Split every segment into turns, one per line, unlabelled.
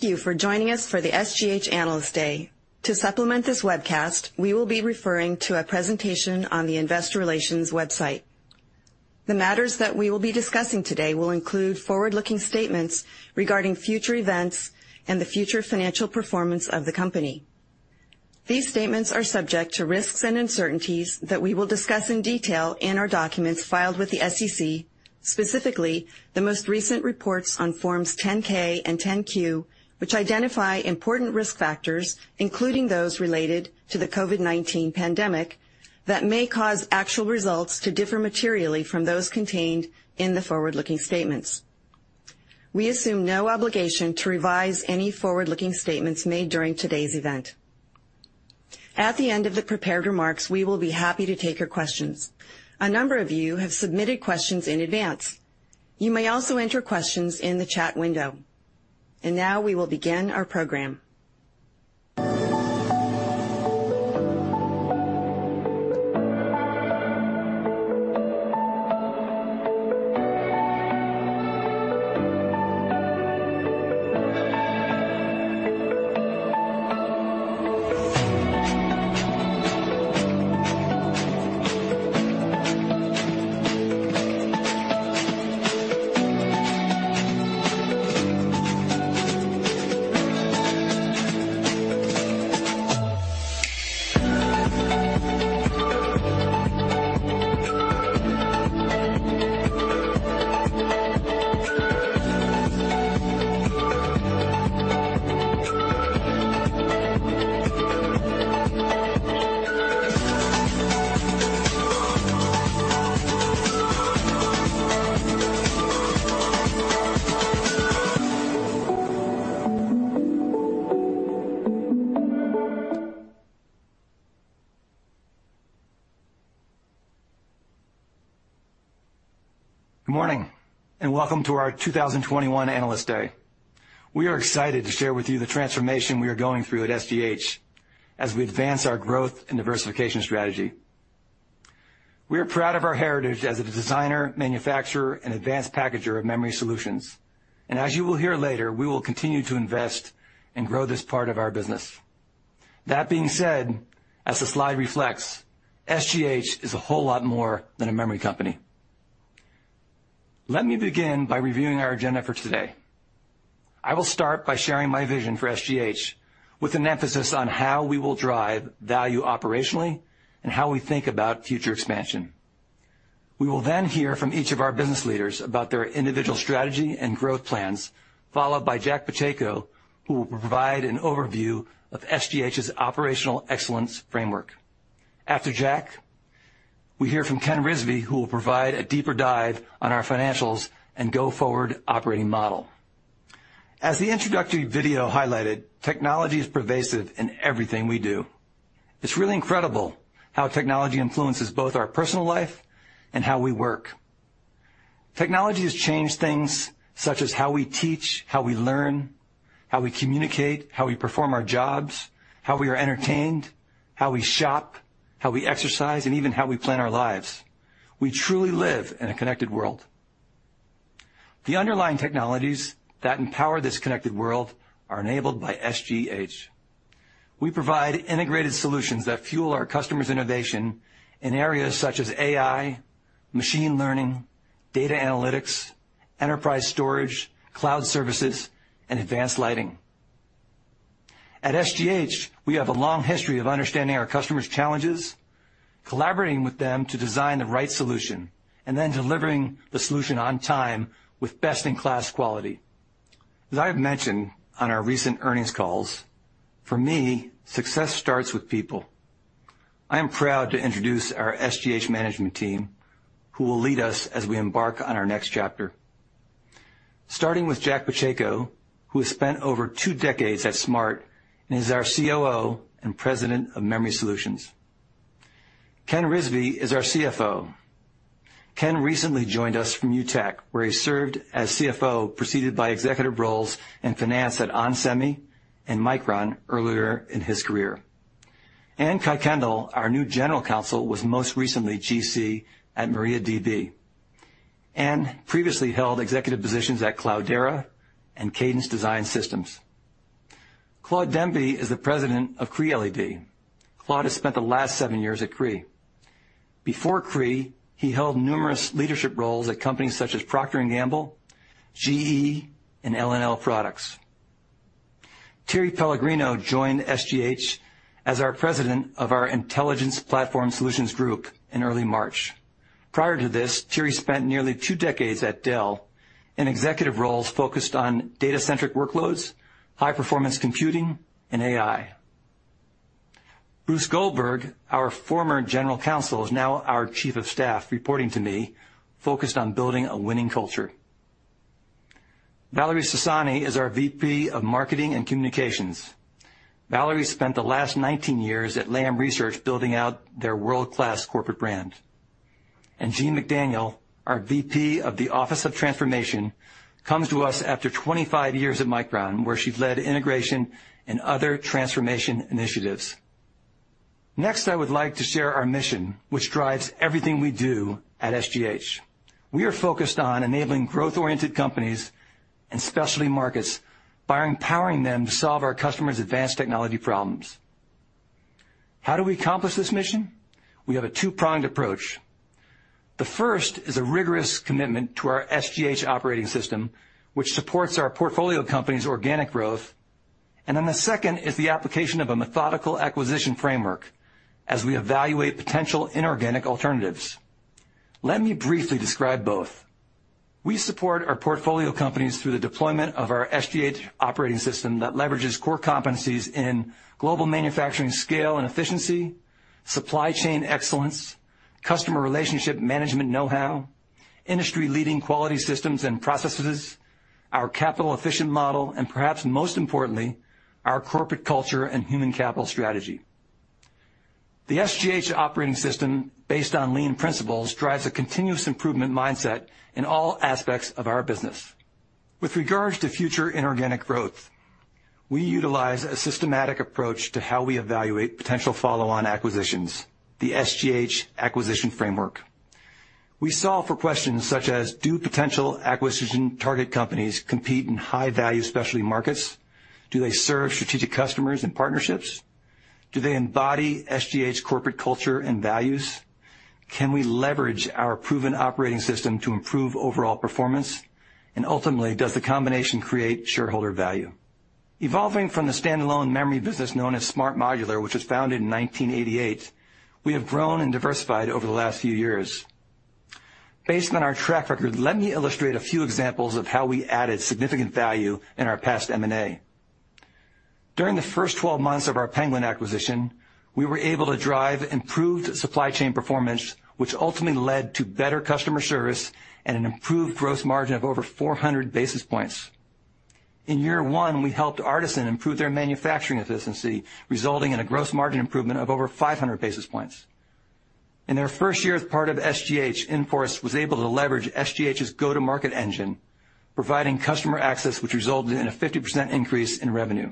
Thank you for joining us for the SGH Analyst Day. To supplement this webcast, we will be referring to a presentation on the investor relations website. The matters that we will be discussing today will include forward-looking statements regarding future events and the future financial performance of the company. These statements are subject to risks and uncertainties that we will discuss in detail in our documents filed with the SEC, specifically the most recent reports on Forms 10-K and 10-Q, which identify important risk factors, including those related to the COVID-19 pandemic, that may cause actual results to differ materially from those contained in the forward-looking statements. We assume no obligation to revise any forward-looking statements made during today's event. At the end of the prepared remarks, we will be happy to take your questions. A number of you have submitted questions in advance. You may also enter questions in the chat window. Now we will begin our program.
Good morning, welcome to our 2021 Analyst Day. We are excited to share with you the transformation we are going through at SGH as we advance our growth and diversification strategy. We are proud of our heritage as a designer, manufacturer, and advanced packager of Memory Solutions. As you will hear later, we will continue to invest and grow this part of our business. That being said, as the slide reflects, SGH is a whole lot more than a memory company. Let me begin by reviewing our agenda for today. I will start by sharing my vision for SGH with an emphasis on how we will drive value operationally and how we think about future expansion. We will then hear from each of our business leaders about their individual strategy and growth plans, followed by Jack Pacheco, who will provide an overview of SGH's operational excellence framework. After Jack, we hear from Ken Rizvi, who will provide a deeper dive on our financials and go-forward operating model. As the introductory video highlighted, technology is pervasive in everything we do. It's really incredible how technology influences both our personal life and how we work. Technology has changed things such as how we teach, how we learn, how we communicate, how we perform our jobs, how we are entertained, how we shop, how we exercise, and even how we plan our lives. We truly live in a connected world. The underlying technologies that empower this connected world are enabled by SGH. We provide integrated solutions that fuel our customers' innovation in areas such as AI, machine learning, data analytics, enterprise storage, cloud services, and advanced lighting. At SGH, we have a long history of understanding our customers' challenges, collaborating with them to design the right solution, and then delivering the solution on time with best-in-class quality. As I have mentioned on our recent earnings calls, for me, success starts with people. I am proud to introduce our SGH management team who will lead us as we embark on our next chapter. Starting with Jack Pacheco, who has spent over two decades at SMART and is our COO and President of Memory Solutions. Ken Rizvi is our CFO. Ken recently joined us from UTAC, where he served as CFO, preceded by executive roles in finance at onsemi and Micron earlier in his career. Anne Kuykendall, our new General Counsel, was most recently GC at MariaDB. Anne previously held executive positions at Cloudera and Cadence Design Systems. Claude Demby is the President of Cree LED. Claude has spent the last seven years at Cree. Before Cree, he held numerous leadership roles at companies such as The Procter & Gamble Company, GE, and L&L Products. Thierry Pellegrino joined SGH as our President of our Intelligent Platform Solutions Group in early March. Prior to this, Thierry spent nearly two decades at Dell in executive roles focused on data-centric workloads, high-performance computing, and AI. Bruce Goldberg, our former General Counsel, is now our Chief of Staff, reporting to me, focused on building a winning culture. Valerie Sassani is our VP of Marketing and Communications. Valerie spent the last 19 years at Lam Research building out their world-class corporate brand. Jean McDaniel, our VP of the Office of Transformation, comes to us after 25 years at Micron, where she led integration and other transformation initiatives. Next, I would like to share our mission, which drives everything we do at SGH. We are focused on enabling growth-oriented companies and specialty markets by empowering them to solve our customers' advanced technology problems. How do we accomplish this mission? We have a two-pronged approach. The first is a rigorous commitment to our SGH operating system, which supports our portfolio company's organic growth, and then the second is the application of a methodical acquisition framework as we evaluate potential inorganic alternatives. Let me briefly describe both. We support our portfolio companies through the deployment of our SGH operating system that leverages core competencies in global manufacturing scale and efficiency, supply chain excellence, customer relationship management knowhow, industry-leading quality systems and processes, our capital-efficient model, and perhaps most importantly, our corporate culture and human capital strategy. The SGH operating system, based on lean principles, drives a continuous improvement mindset in all aspects of our business. With regards to future inorganic growth, we utilize a systematic approach to how we evaluate potential follow-on acquisitions, the SGH acquisition framework. We solve for questions such as: Do potential acquisition target companies compete in high-value specialty markets? Do they serve strategic customers and partnerships? Do they embody SGH's corporate culture and values? Can we leverage our proven operating system to improve overall performance? Ultimately, does the combination create shareholder value? Evolving from the standalone memory business known as SMART Modular, which was founded in 1988, we have grown and diversified over the last few years. Based on our track record, let me illustrate a few examples of how we added significant value in our past M&A. During the first 12 months of our Penguin acquisition, we were able to drive improved supply chain performance, which ultimately led to better customer service and an improved gross margin of over 400 basis points. In year one, we helped Artesyn improve their manufacturing efficiency, resulting in a gross margin improvement of over 500 basis points. In their first year as part of SGH, Inforce was able to leverage SGH's go-to-market engine, providing customer access, which resulted in a 50% increase in revenue.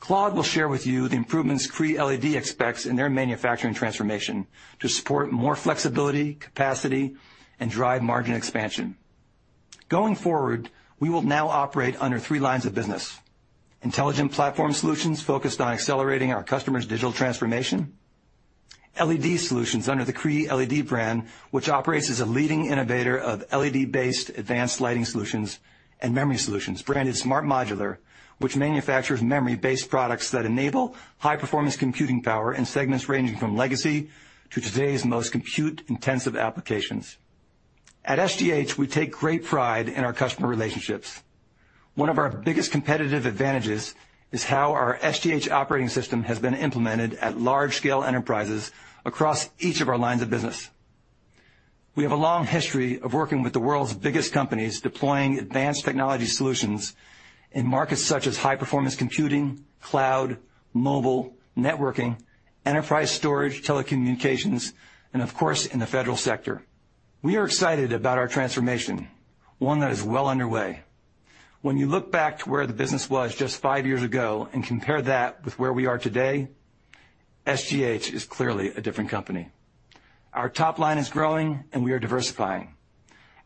Claude will share with you the improvements Cree LED expects in their manufacturing transformation to support more flexibility, capacity, and drive margin expansion. Going forward, we will now operate under three lines of business. Intelligent Platform Solutions focused on accelerating our customers' digital transformation. LED Solutions under the Cree LED brand, which operates as a leading innovator of LED-based advanced lighting solutions, and Memory Solutions, branded SMART Modular, which manufactures memory-based products that enable high-performance computing power in segments ranging from legacy to today's most compute-intensive applications. At SGH, we take great pride in our customer relationships. One of our biggest competitive advantages is how our SGH operating system has been implemented at large-scale enterprises across each of our lines of business. We have a long history of working with the world's biggest companies, deploying advanced technology solutions in markets such as high-performance computing, cloud, mobile, networking, enterprise storage, telecommunications, and of course, in the federal sector. We are excited about our transformation, one that is well underway. When you look back to where the business was just five years ago and compare that with where we are today, SGH is clearly a different company. Our top line is growing, and we are diversifying.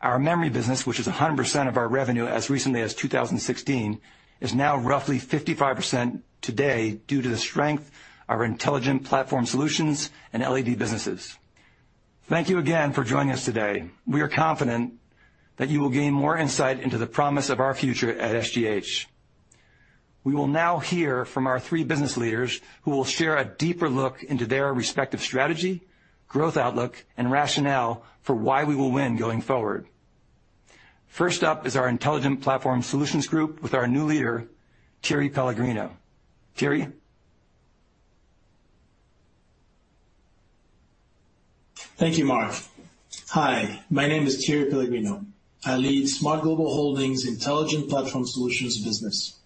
Our Memory Solutions business, which was 100% of our revenue as recently as 2016, is now roughly 55% today due to the strength of our Intelligent Platform Solutions and LED Solutions businesses. Thank you again for joining us today. We are confident that you will gain more insight into the promise of our future at SGH. We will now hear from our three business leaders, who will share a deeper look into their respective strategy, growth outlook, and rationale for why we will win going forward. First up is our Intelligent Platform Solutions group with our new leader, Thierry Pellegrino. Thierry?
Thank you, Mark. Hi, my name is Thierry Pellegrino. I lead SMART Global Holdings' Intelligent Platform Solutions business.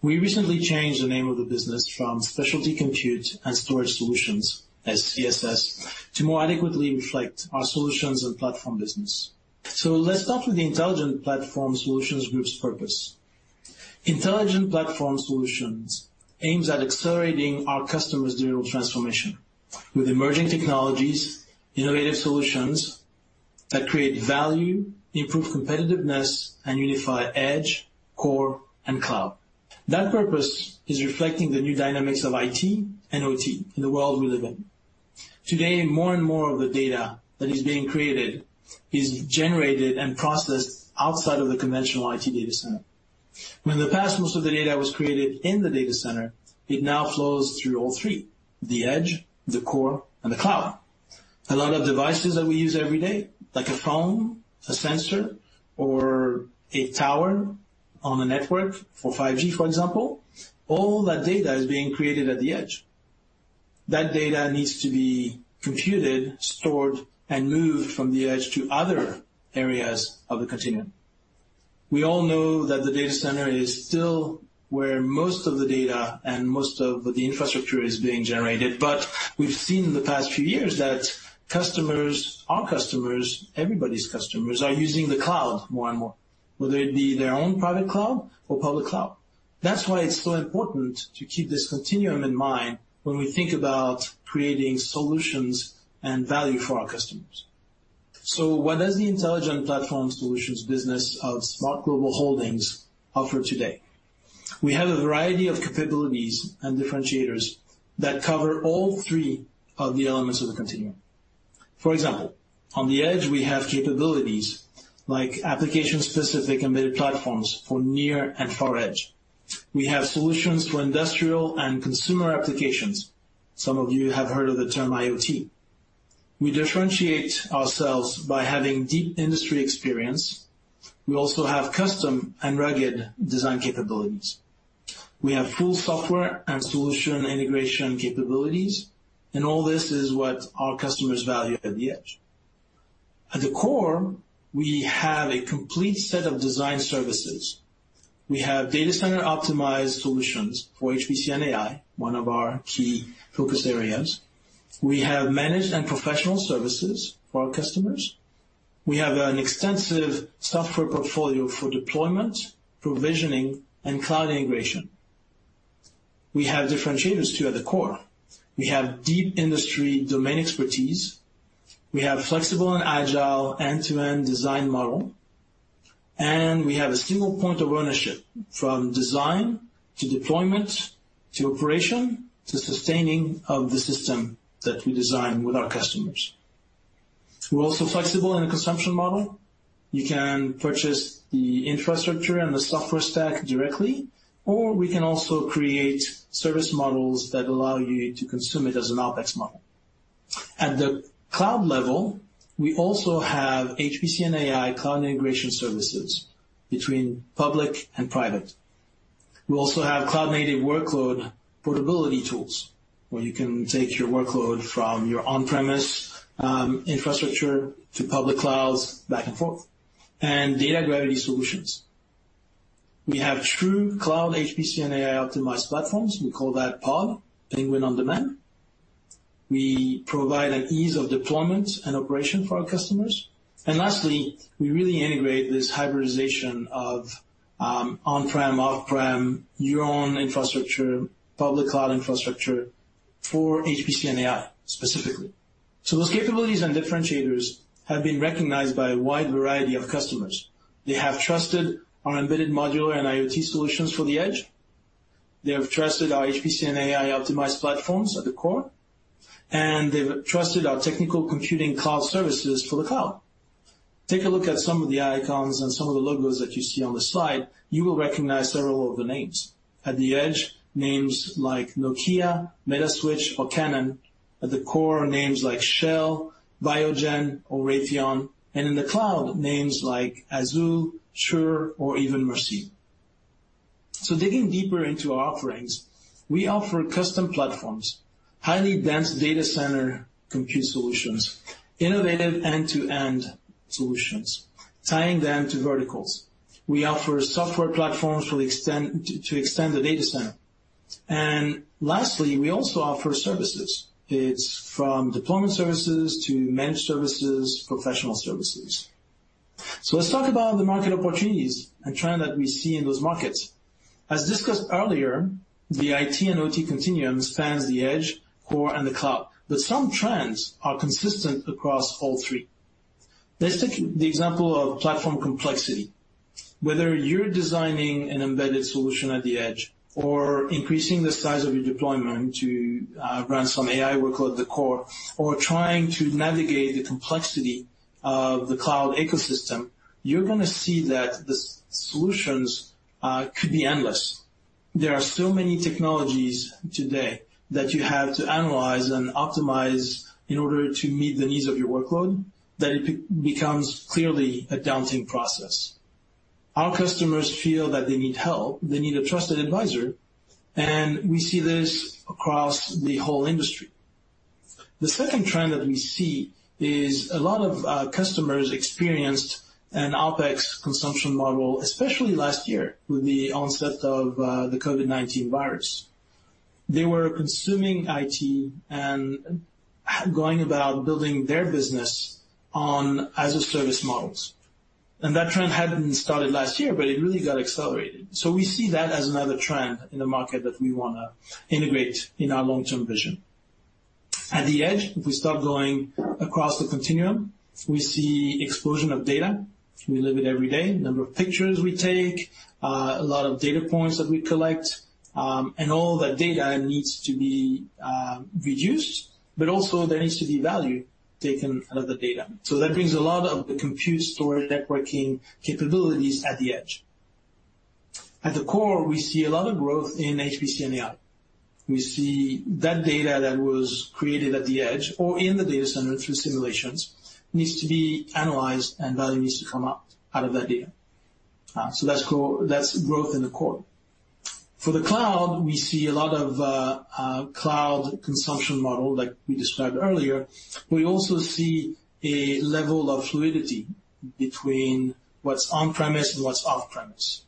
We recently changed the name of the business from Specialty Compute and Storage Solutions, SCSS, to more adequately reflect our solutions and platform business. Let's start with the Intelligent Platform Solutions group's purpose. Intelligent Platform Solutions aims at accelerating our customers' digital transformation with emerging technologies, innovative solutions that create value, improve competitiveness, and unify edge, core, and cloud. That purpose is reflecting the new dynamics of IT and OT in the world we live in. Today, more and more of the data that is being created is generated and processed outside of the conventional IT data center. Where in the past most of the data was created in the data center, it now flows through all three, the edge, the core, and the cloud. A lot of devices that we use every day, like a phone, a sensor, or a tower on a network for 5G, for example, all that data is being created at the edge. That data needs to be computed, stored, and moved from the edge to other areas of the continuum. We all know that the data center is still where most of the data and most of the infrastructure is being generated, but we've seen in the past few years that customers, our customers, everybody's customers, are using the cloud more and more. Whether it be their own private cloud or public cloud. That's why it's so important to keep this continuum in mind when we think about creating solutions and value for our customers. What does the Intelligent Platform Solutions business of SMART Global Holdings offer today? We have a variety of capabilities and differentiators that cover all three of the elements of the continuum. For example, on the edge, we have capabilities like application-specific embedded platforms for near and far edge. We have solutions for industrial and consumer applications. Some of you have heard of the term IoT. We differentiate ourselves by having deep industry experience. We also have custom and rugged design capabilities. We have full software and solution integration capabilities, and all this is what our customers value at the edge. At the core, we have a complete set of design services. We have data center optimized solutions for HPC and AI, one of our key focus areas. We have managed and professional services for our customers. We have an extensive software portfolio for deployment, provisioning, and cloud integration. We have differentiators too at the core. We have deep industry domain expertise. We have flexible and agile end-to-end design model, and we have a single point of ownership from design to deployment, to operation, to sustaining of the system that we design with our customers. We're also flexible in a consumption model. You can purchase the infrastructure and the software stack directly, or we can also create service models that allow you to consume it as an OpEx model. At the cloud level, we also have HPC and AI cloud integration services between public and private. We also have cloud-native workload portability tools, where you can take your workload from your on-premise, infrastructure to public clouds, back and forth, and data gravity solutions. We have true cloud HPC and AI optimized platforms. We call that POD, Penguin On-Demand. We provide an ease of deployment and operation for our customers. Lastly, we really integrate this hybridization of on-prem, off-prem, your own infrastructure, public cloud infrastructure for HPC and AI specifically. Those capabilities and differentiators have been recognized by a wide variety of customers. They have trusted our embedded modular and IoT solutions for the edge. They have trusted our HPC and AI optimized platforms at the core, and they've trusted our technical computing cloud services for the cloud. Take a look at some of the icons and some of the logos that you see on the slide. You will recognize several of the names. At the edge, names like Nokia, Metaswitch, or Canon. At the core, names like Shell, Biogen, or Raytheon. In the cloud, names like Azure, Shure, or even Mercy. Digging deeper into our offerings, we offer custom platforms, highly dense data center compute solutions, innovative end-to-end solutions, tying them to verticals. We offer software platforms to extend the data center. Lastly, we also offer services. It's from deployment services to managed services, professional services. Let's talk about the market opportunities and trend that we see in those markets. As discussed earlier, the IT and OT continuum spans the edge, core, and the cloud, but some trends are consistent across all three. Let's take the example of platform complexity. Whether you're designing an embedded solution at the edge or increasing the size of your deployment to run some AI workload at the core, or trying to navigate the complexity of the cloud ecosystem, you're going to see that the solutions could be endless. There are so many technologies today that you have to analyze and optimize in order to meet the needs of your workload, that it becomes clearly a daunting process. Our customers feel that they need help, they need a trusted advisor, and we see this across the whole industry. The second trend that we see is a lot of customers experienced an OpEx consumption model, especially last year with the onset of the COVID-19 virus. They were consuming IT and going about building their business on as-a-service models. That trend hadn't started last year, but it really got accelerated. We see that as another trend in the market that we want to integrate in our long-term vision. At the edge, if we start going across the continuum, we see explosion of data. We live it every day. Number of pictures we take, a lot of data points that we collect, and all that data needs to be reduced, but also there needs to be value taken out of the data. That brings a lot of the compute storage networking capabilities at the edge. At the core, we see a lot of growth in HPC and AI. We see that data that was created at the edge or in the data center through simulations needs to be analyzed and value needs to come out of that data. That's growth in the core. For the cloud, we see a lot of cloud consumption model like we described earlier. We also see a level of fluidity between what's on-premise and what's off-premise.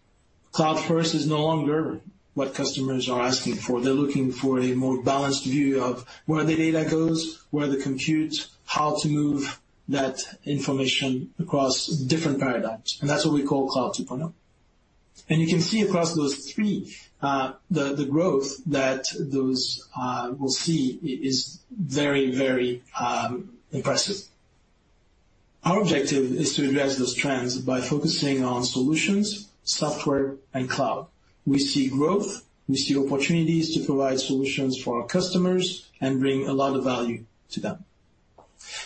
Cloud first is no longer what customers are asking for. They're looking for a more balanced view of where the data goes, where the compute, how to move that information across different paradigms, and that's what we call cloud 2.0. You can see across those three, the growth that those will see is very impressive. Our objective is to address those trends by focusing on solutions, software, and cloud. We see growth, we see opportunities to provide solutions for our customers, and bring a lot of value to them.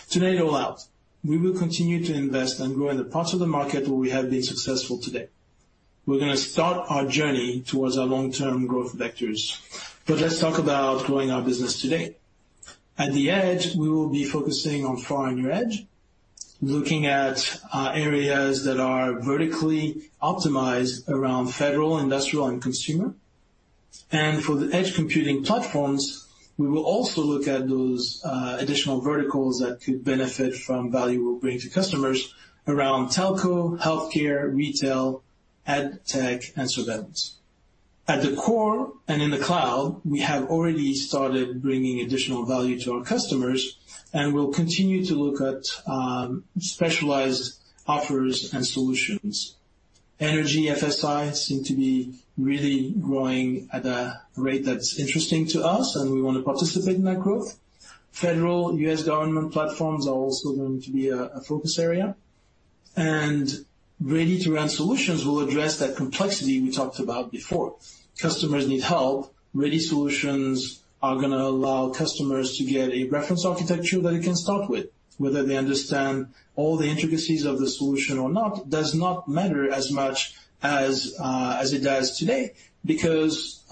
Today at all out, we will continue to invest and grow in the parts of the market where we have been successful today. We're going to start our journey towards our long-term growth vectors. Let's talk about growing our business today. At the edge, we will be focusing on far-end edge, looking at areas that are vertically optimized around federal, industrial, and consumer. For the edge computing platforms, we will also look at those additional verticals that could benefit from value we bring to customers around telco, healthcare, retail, ad tech, and surveillance. At the core and in the cloud, we have already started bringing additional value to our customers. We'll continue to look at specialized offers and solutions. Energy, FSI seem to be really growing at a rate that's interesting to us. We want to participate in that growth. Federal U.S. government platforms are also going to be a focus area. Ready to run solutions will address that complexity we talked about before. Customers need help. Ready solutions are going to allow customers to get a reference architecture that they can start with. Whether they understand all the intricacies of the solution or not does not matter as much as it does today because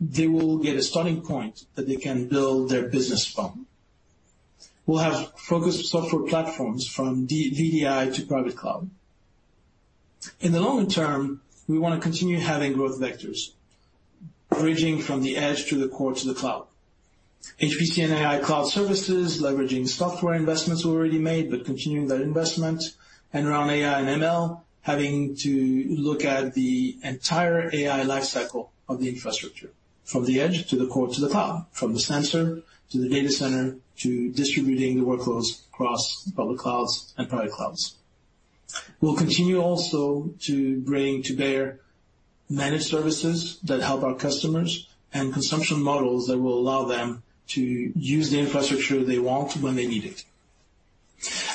they will get a starting point that they can build their business from. We'll have focused software platforms from VDI to private cloud. In the long term, we want to continue having growth vectors, bridging from the edge to the core to the cloud. HPC and AI cloud services, leveraging software investments already made, but continuing that investment, and around AI and ML, having to look at the entire AI life cycle of the infrastructure, from the edge to the core to the cloud. From the sensor to the data center, to distributing the workloads across public clouds and private clouds. We'll continue also to bring to bear managed services that help our customers, and consumption models that will allow them to use the infrastructure they want when they need it.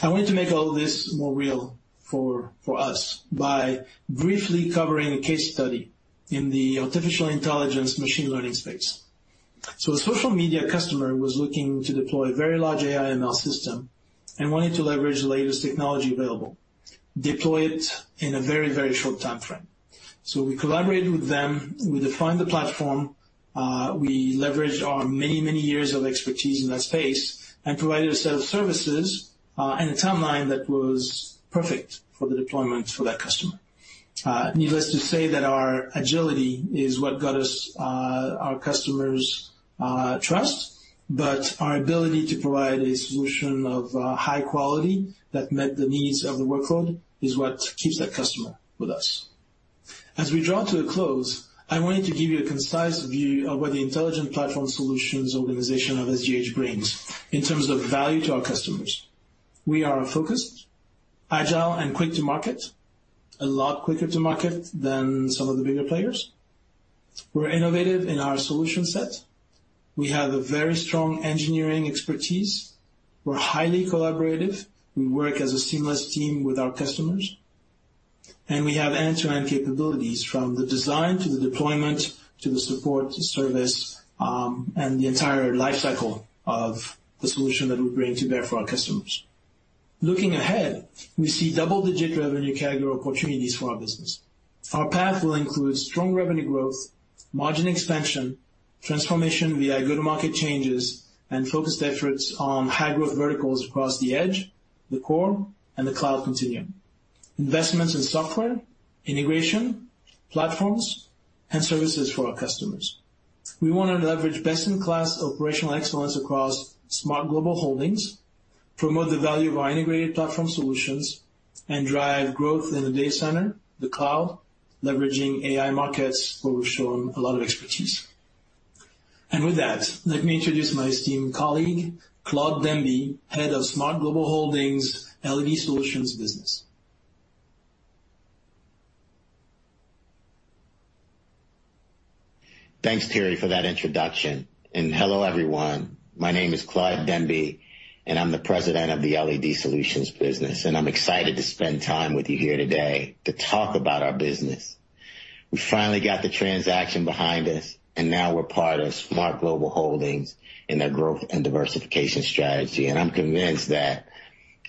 I wanted to make all this more real for us by briefly covering a case study in the artificial intelligence machine learning space. A social media customer was looking to deploy a very large AI ML system and wanted to leverage the latest technology available, deploy it in a very short timeframe. We collaborated with them, we defined the platform, we leveraged our many years of expertise in that space, and provided a set of services and a timeline that was perfect for the deployment for that customer. Needless to say that our agility is what got us our customers' trust, but our ability to provide a solution of high quality that met the needs of the workload is what keeps that customer with us. As we draw to a close, I wanted to give you a concise view of what the Intelligent Platform Solutions organization of SGH brings in terms of value to our customers. We are focused, agile and quick to market, a lot quicker to market than some of the bigger players. We're innovative in our solution set. We have a very strong engineering expertise. We're highly collaborative. We work as a seamless team with our customers. We have end-to-end capabilities from the design to the deployment to the support to service, and the entire life cycle of the solution that we bring to bear for our customers. Looking ahead, we see double-digit revenue CAGR opportunities for our business. Our path will include strong revenue growth, margin expansion, transformation via go-to-market changes, and focused efforts on high growth verticals across the edge, the core, and the cloud continuum. Investments in software, integration, platforms, and services for our customers. We want to leverage best-in-class operational excellence across SMART Global Holdings, promote the value of our integrated platform solutions, and drive growth in the data center, the cloud, leveraging AI markets where we've shown a lot of expertise. With that, let me introduce my esteemed colleague, Claude Demby, Head of SMART Global Holdings, LED Solutions Business.
Thanks, Thierry, for that introduction. Hello, everyone. My name is Claude Demby, and I'm the President of the LED Solutions Business. I'm excited to spend time with you here today to talk about our business. We finally got the transaction behind us, and now we're part of SMART Global Holdings in their growth and diversification strategy. I'm convinced that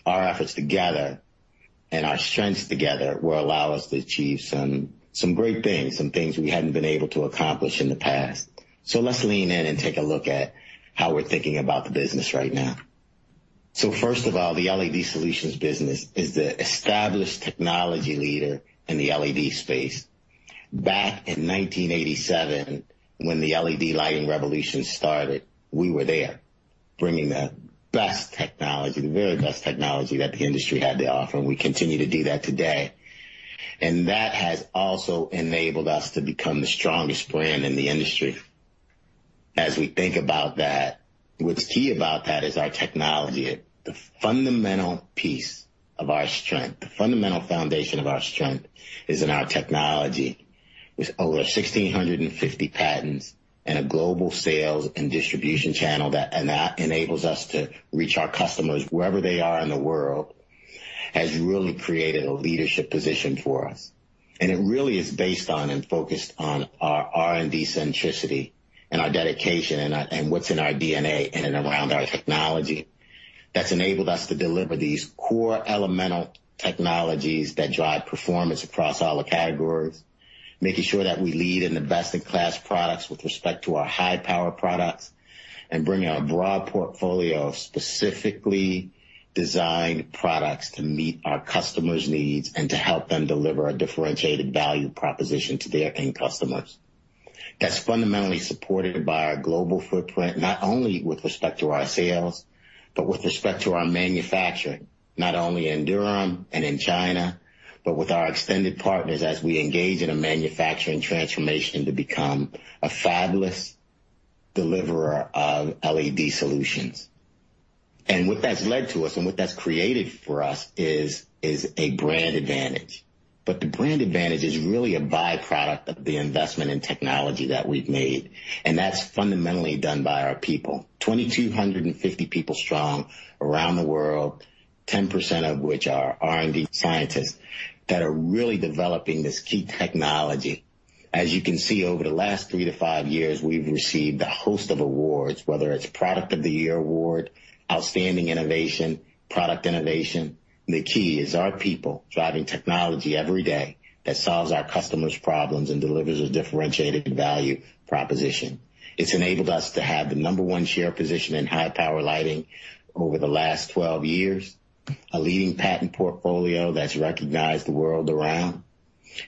our efforts together and our strengths together will allow us to achieve some great things, some things we hadn't been able to accomplish in the past. Let's lean in and take a look at how we're thinking about the business right now. First of all, the LED Solutions Business is the established technology leader in the LED space. Back in 1987, when the LED lighting revolution started, we were there, bringing the best technology, the very best technology that the industry had to offer, and we continue to do that today. That has also enabled us to become the strongest brand in the industry. As we think about that, what's key about that is our technology. The fundamental piece of our strength, the fundamental foundation of our strength is in our technology. With over 1,650 patents and a global sales and distribution channel that enables us to reach our customers wherever they are in the world, has really created a leadership position for us. It really is based on and focused on our R&D centricity and our dedication and what's in our DNA in and around our technology that's enabled us to deliver these core elemental technologies that drive performance across all the categories, making sure that we lead in the best-in-class products with respect to our high-power products, and bringing our broad portfolio of specifically designed products to meet our customers' needs and to help them deliver a differentiated value proposition to their end customers. That's fundamentally supported by our global footprint, not only with respect to our sales, but with respect to our manufacturing, not only in Durham and in China, but with our extended partners as we engage in a manufacturing transformation to become a fabless deliverer of LED Solutions. What that's led to us and what that's created for us is a brand advantage. The brand advantage is really a by-product of the investment in technology that we've made, and that's fundamentally done by our people. 2,250 people strong around the world, 10% of which are R&D scientists that are really developing this key technology. As you can see, over the last three to five years, we've received a host of awards, whether it's Product of the Year Award, Outstanding Innovation, Product Innovation. The key is our people driving technology every day that solves our customers' problems and delivers a differentiated value proposition. It's enabled us to have the number one share position in high power lighting over the last 12 years, a leading patent portfolio that's recognized the world around.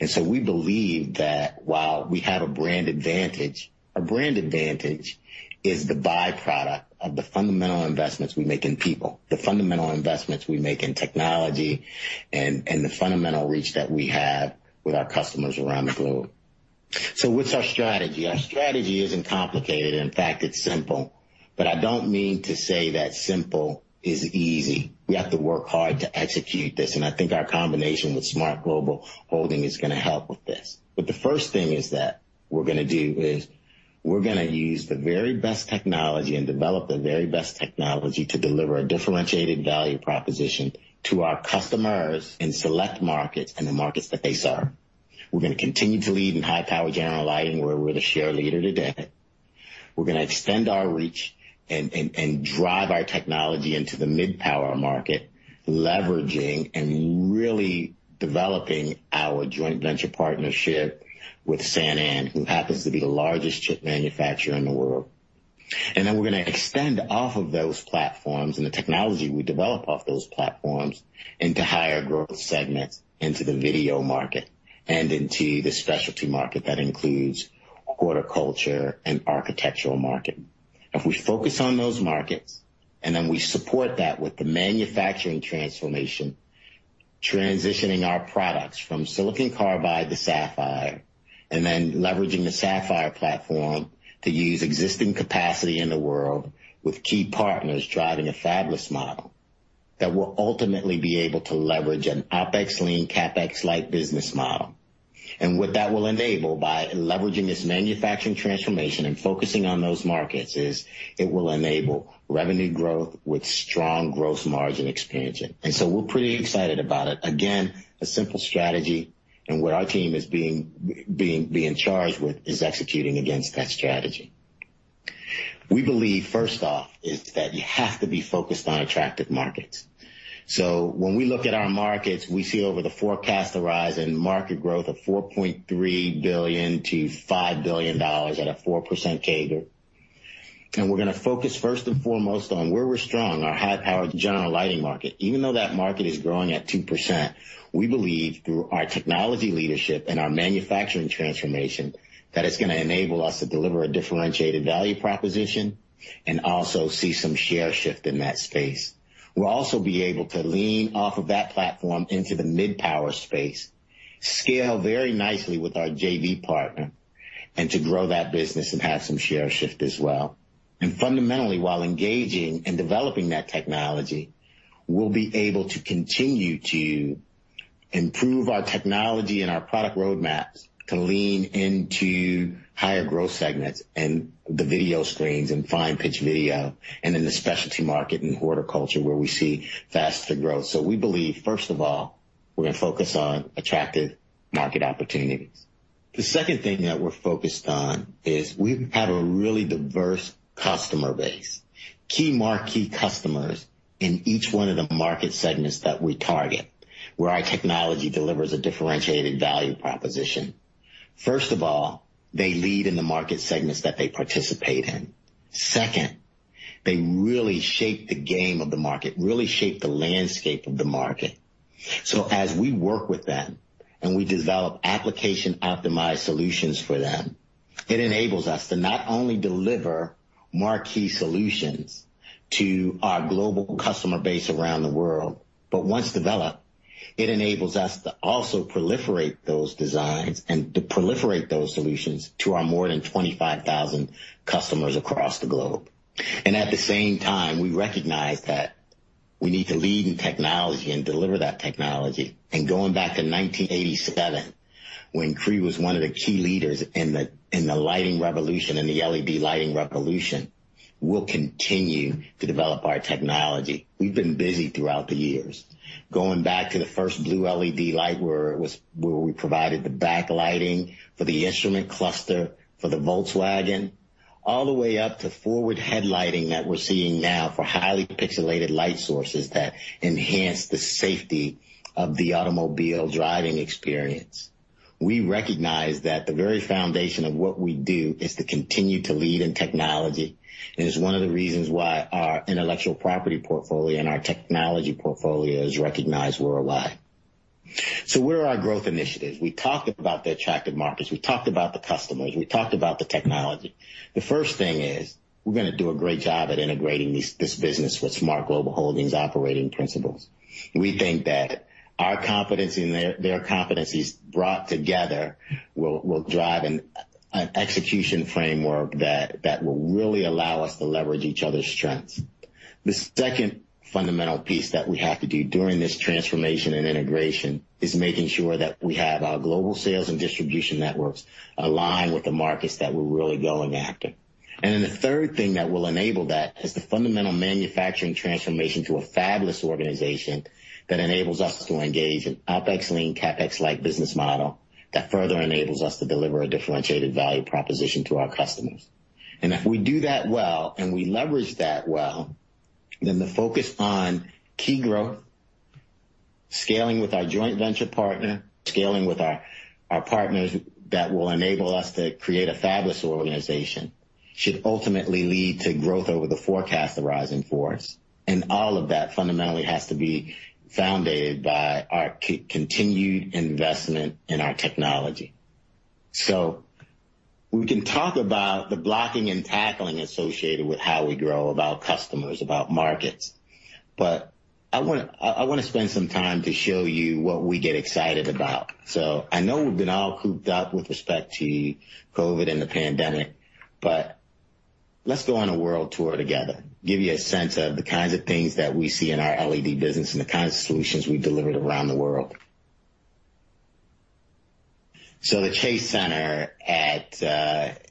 We believe that while we have a brand advantage, a brand advantage is the by-product of the fundamental investments we make in people, the fundamental investments we make in technology, and the fundamental reach that we have with our customers around the globe. What's our strategy? Our strategy isn't complicated. In fact, it's simple. I don't mean to say that simple is easy. We have to work hard to execute this, and I think our combination with SMART Global Holdings is going to help with this. The first thing is that we're going to do is we're going to use the very best technology and develop the very best technology to deliver a differentiated value proposition to our customers in select markets and the markets that they serve. We're going to continue to lead in high-power general lighting, where we're the share leader today. We're going to extend our reach and drive our technology into the mid-power market, leveraging and really developing our joint venture partnership with Sanan, who happens to be the largest chip manufacturer in the world. Then we're going to extend off of those platforms and the technology we develop off those platforms into higher growth segments into the video market and into the specialty market that includes horticulture and architectural market. If we focus on those markets, and then we support that with the manufacturing transformation, transitioning our products from silicon carbide to sapphire, and then leveraging the sapphire platform to use existing capacity in the world with key partners driving a fabless model that will ultimately be able to leverage an OpEx lean, CapEx light business model. What that will enable by leveraging this manufacturing transformation and focusing on those markets is it will enable revenue growth with strong gross margin expansion. We're pretty excited about it. Again, a simple strategy, and what our team is being charged with is executing against that strategy. We believe, first off, is that you have to be focused on attractive markets. When we look at our markets, we see over the forecast a rise in market growth of $4.3 billion to $5 billion at a 4% CAGR. We're going to focus first and foremost on where we're strong, our high-power general lighting market. Even though that market is growing at 2%, we believe through our technology leadership and our manufacturing transformation, that it's going to enable us to deliver a differentiated value proposition and also see some share shift in that space. We'll also be able to lean off of that platform into the mid-power space, scale very nicely with our JV partner, to grow that business and have some share shift as well. Fundamentally, while engaging and developing that technology, we'll be able to continue to improve our technology and our product roadmaps to lean into higher growth segments and the video screens and fine pitch video and in the specialty market in horticulture where we see faster growth. We believe, first of all, we're going to focus on attractive market opportunities. The second thing that we're focused on is we have a really diverse customer base, key marquee customers in each one of the market segments that we target, where our technology delivers a differentiated value proposition. First of all, they lead in the market segments that they participate in. Second, they really shape the game of the market, really shape the landscape of the market. As we work with them and we develop application-optimized solutions for them, it enables us to not only deliver marquee solutions to our global customer base around the world, but once developed, it enables us to also proliferate those designs and to proliferate those solutions to our more than 25,000 customers across the globe. At the same time, we recognize that we need to lead in technology and deliver that technology. Going back to 1987, when Cree was one of the key leaders in the lighting revolution, in the LED lighting revolution, we'll continue to develop our technology. We've been busy throughout the years. Going back to the first blue LED light, where we provided the backlighting for the instrument cluster for the Volkswagen, all the way up to forward headlighting that we're seeing now for highly pixelated light sources that enhance the safety of the automobile driving experience. We recognize that the very foundation of what we do is to continue to lead in technology, and it's one of the reasons why our intellectual property portfolio and our technology portfolio is recognized worldwide. Where are our growth initiatives? We talked about the attractive markets. We talked about the customers. We talked about the technology. The first thing is we're going to do a great job at integrating this business with SMART Global Holdings operating principles. We think that our competency and their competencies brought together will drive an execution framework that will really allow us to leverage each other's strengths. The second fundamental piece that we have to do during this transformation and integration is making sure that we have our global sales and distribution networks aligned with the markets that we're really going after. The third thing that will enable that is the fundamental manufacturing transformation to a fabless organization that enables us to engage in OpEx, lean, CapEx-like business model that further enables us to deliver a differentiated value proposition to our customers. If we do that well, and we leverage that well, the focus on key growth, scaling with our joint venture partner, scaling with our partners that will enable us to create a fabless organization, should ultimately lead to growth over the forecast horizon for us. All of that fundamentally has to be founded by our continued investment in our technology. We can talk about the blocking and tackling associated with how we grow, about customers, about markets, but I want to spend some time to show you what we get excited about. I know we've been all cooped up with respect to COVID-19 and the pandemic, but let's go on a world tour together, give you a sense of the kinds of things that we see in our LED business and the kind of solutions we've delivered around the world. The Chase Center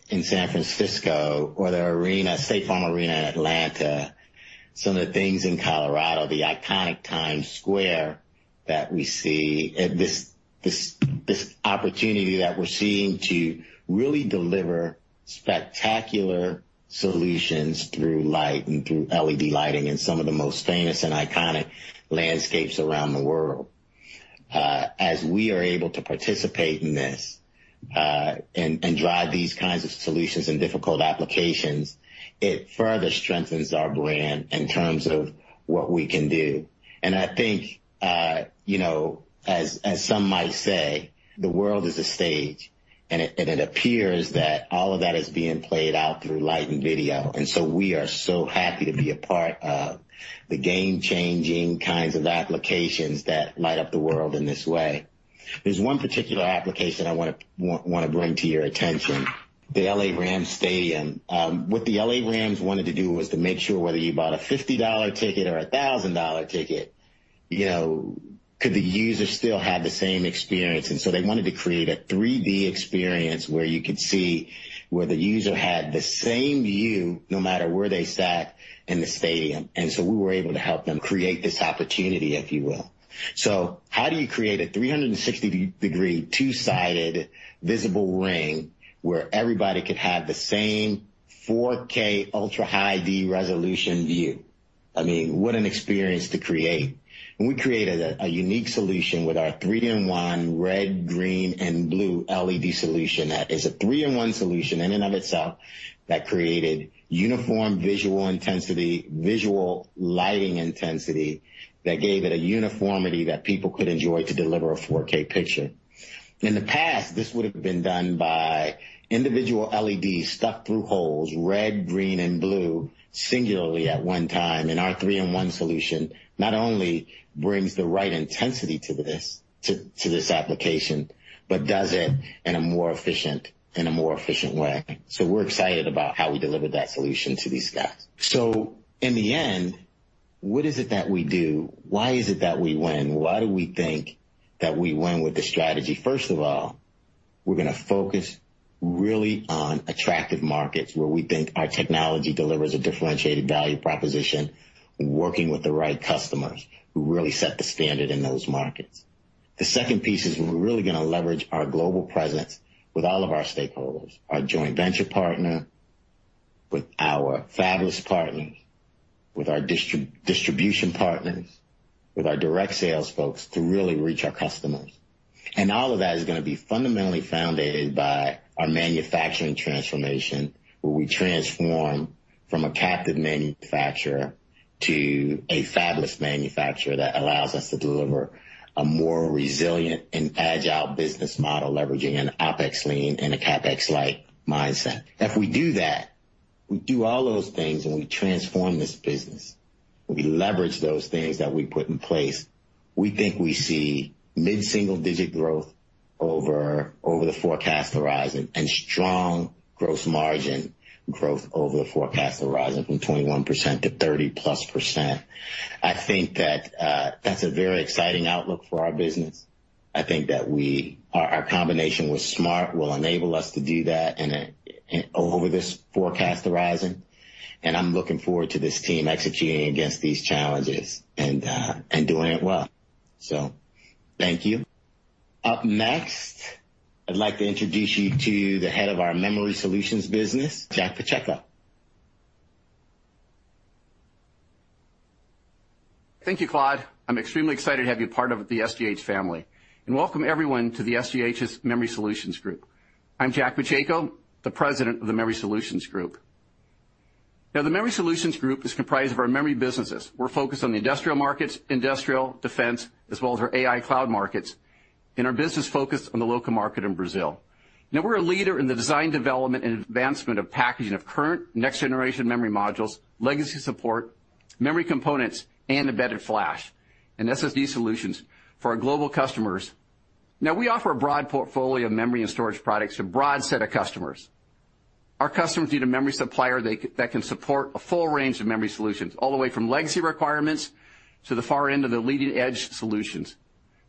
in San Francisco or the arena, State Farm Arena in Atlanta, some of the things in Colorado, the iconic Times Square that we see, this opportunity that we're seeing to really deliver spectacular solutions through light and through LED lighting in some of the most famous and iconic landscapes around the world. As we are able to participate in this, and drive these kinds of solutions in difficult applications, it further strengthens our brand in terms of what we can do. I think, as some might say, the world is a stage, and it appears that all of that is being played out through light and video. We are so happy to be a part of the game-changing kinds of applications that light up the world in this way. There's one particular application I want to bring to your attention, the L.A. Rams Stadium. What the L.A. Rams wanted to do was to make sure whether you bought a $50 ticket or a $1,000 ticket, could the user still have the same experience? They wanted to create a 3D experience where you could see where the user had the same view no matter where they sat in the stadium. We were able to help them create this opportunity, if you will. How do you create a 360-degree, two-sided visible ring where everybody could have the same 4K Ultra High-D resolution view? I mean, what an experience to create. We created a unique solution with our three-in-one red, green,, and blue LED solution that is a three-in-one solution in and of itself that created uniform visual intensity, visual lighting intensity that gave it a uniformity that people could enjoy to deliver a 4K picture. In the past, this would have been done by individual LEDs stuck through holes, red, green, and blue singularly at one time. Our three-in-one solution not only brings the right intensity to this application but does it in a more efficient way. We're excited about how we delivered that solution to these guys. In the end, what is it that we do? Why is it that we win? Why do we think that we win with this strategy? First of all, we're going to focus really on attractive markets where we think our technology delivers a differentiated value proposition, working with the right customers who really set the standard in those markets. The second piece is we are really going to leverage our global presence with all of our stakeholders, our joint venture partner, with our fabless partners, with our distribution partners, with our direct sales folks to really reach our customers. All of that is going to be fundamentally founded by our manufacturing transformation, where we transform from a captive manufacturer to a fabless manufacturer that allows us to deliver a more resilient and agile business model, leveraging an OpEx lean and a CapEx-like mindset. If we do that, we do all those things, and we transform this business, we leverage those things that we put in place. We think we see mid-single-digit growth over the forecast horizon and strong gross margin growth over the forecast horizon from 21% to 30%+. I think that is a very exciting outlook for our business. I think that our combination with SMART will enable us to do that over this forecast horizon, and I'm looking forward to this team executing against these challenges and doing it well. Thank you. Up next, I'd like to introduce you to the Head of our Memory Solutions business, Jack Pacheco.
Thank you, Claude. I'm extremely excited to have you part of the SGH family. Welcome everyone to the SGH's Memory Solutions Group. I'm Jack Pacheco, the President of the Memory Solutions Group. The Memory Solutions Group is comprised of our memory businesses. We're focused on the industrial markets, industrial defense, as well as our AI cloud markets, and our business focused on the local market in Brazil. We're a leader in the design, development, and advancement of packaging of current next-generation memory modules, legacy support, memory components, and embedded flash and SSD solutions for our global customers. We offer a broad portfolio of memory and storage products to a broad set of customers. Our customers need a memory supplier that can support a full range of memory solutions, all the way from legacy requirements to the far end of the leading-edge solutions.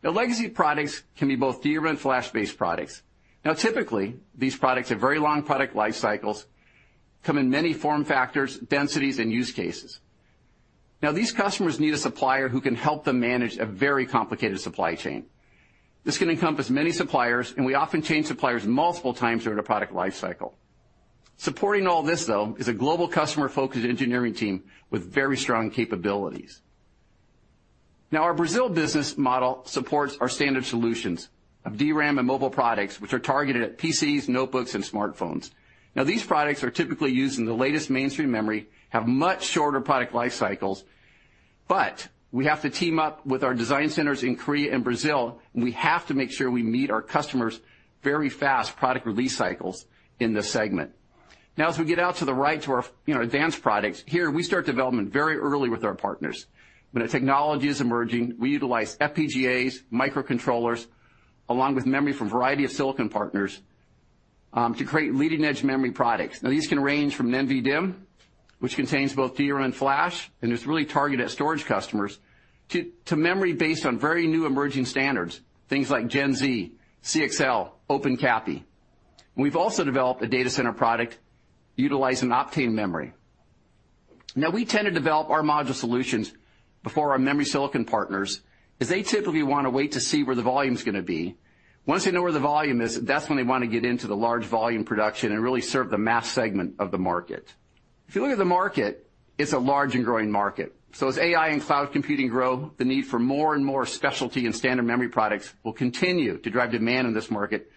Legacy products can be both DRAM and flash-based products. Typically, these products have very long product life cycles, come in many form factors, densities, and use cases. These customers need a supplier who can help them manage a very complicated supply chain. This can encompass many suppliers, and we often change suppliers multiple times during a product life cycle. Supporting all this, though, is a global customer-focused engineering team with very strong capabilities. Our Brazil business model supports our standard solutions of DRAM and mobile products, which are targeted at PCs, notebooks, and smartphones. These products are typically used in the latest mainstream memory, have much shorter product life cycles, but we have to team up with our design centers in Korea and Brazil, and we have to make sure we meet our customers' very fast product release cycles in this segment. As we get out to the right to our advanced products, we start development very early with our partners. When a technology is emerging, we utilize FPGAs, microcontrollers, along with memory from a variety of silicon partners to create leading-edge memory products. These can range from an NVDIMM, which contains both DRAM and flash and is really targeted at storage customers, to memory based on very new emerging standards, things like Gen-Z, CXL, OpenCAPI. We've also developed a data center product utilizing Optane memory. We tend to develop our module solutions before our memory silicon partners, as they typically want to wait to see where the volume is going to be. Once they know where the volume is, that's when they want to get into the large volume production and really serve the mass segment of the market. If you look at the market, it's a large and growing market. As AI and cloud computing grow, the need for more and more specialty and standard memory products will continue to drive demand in this market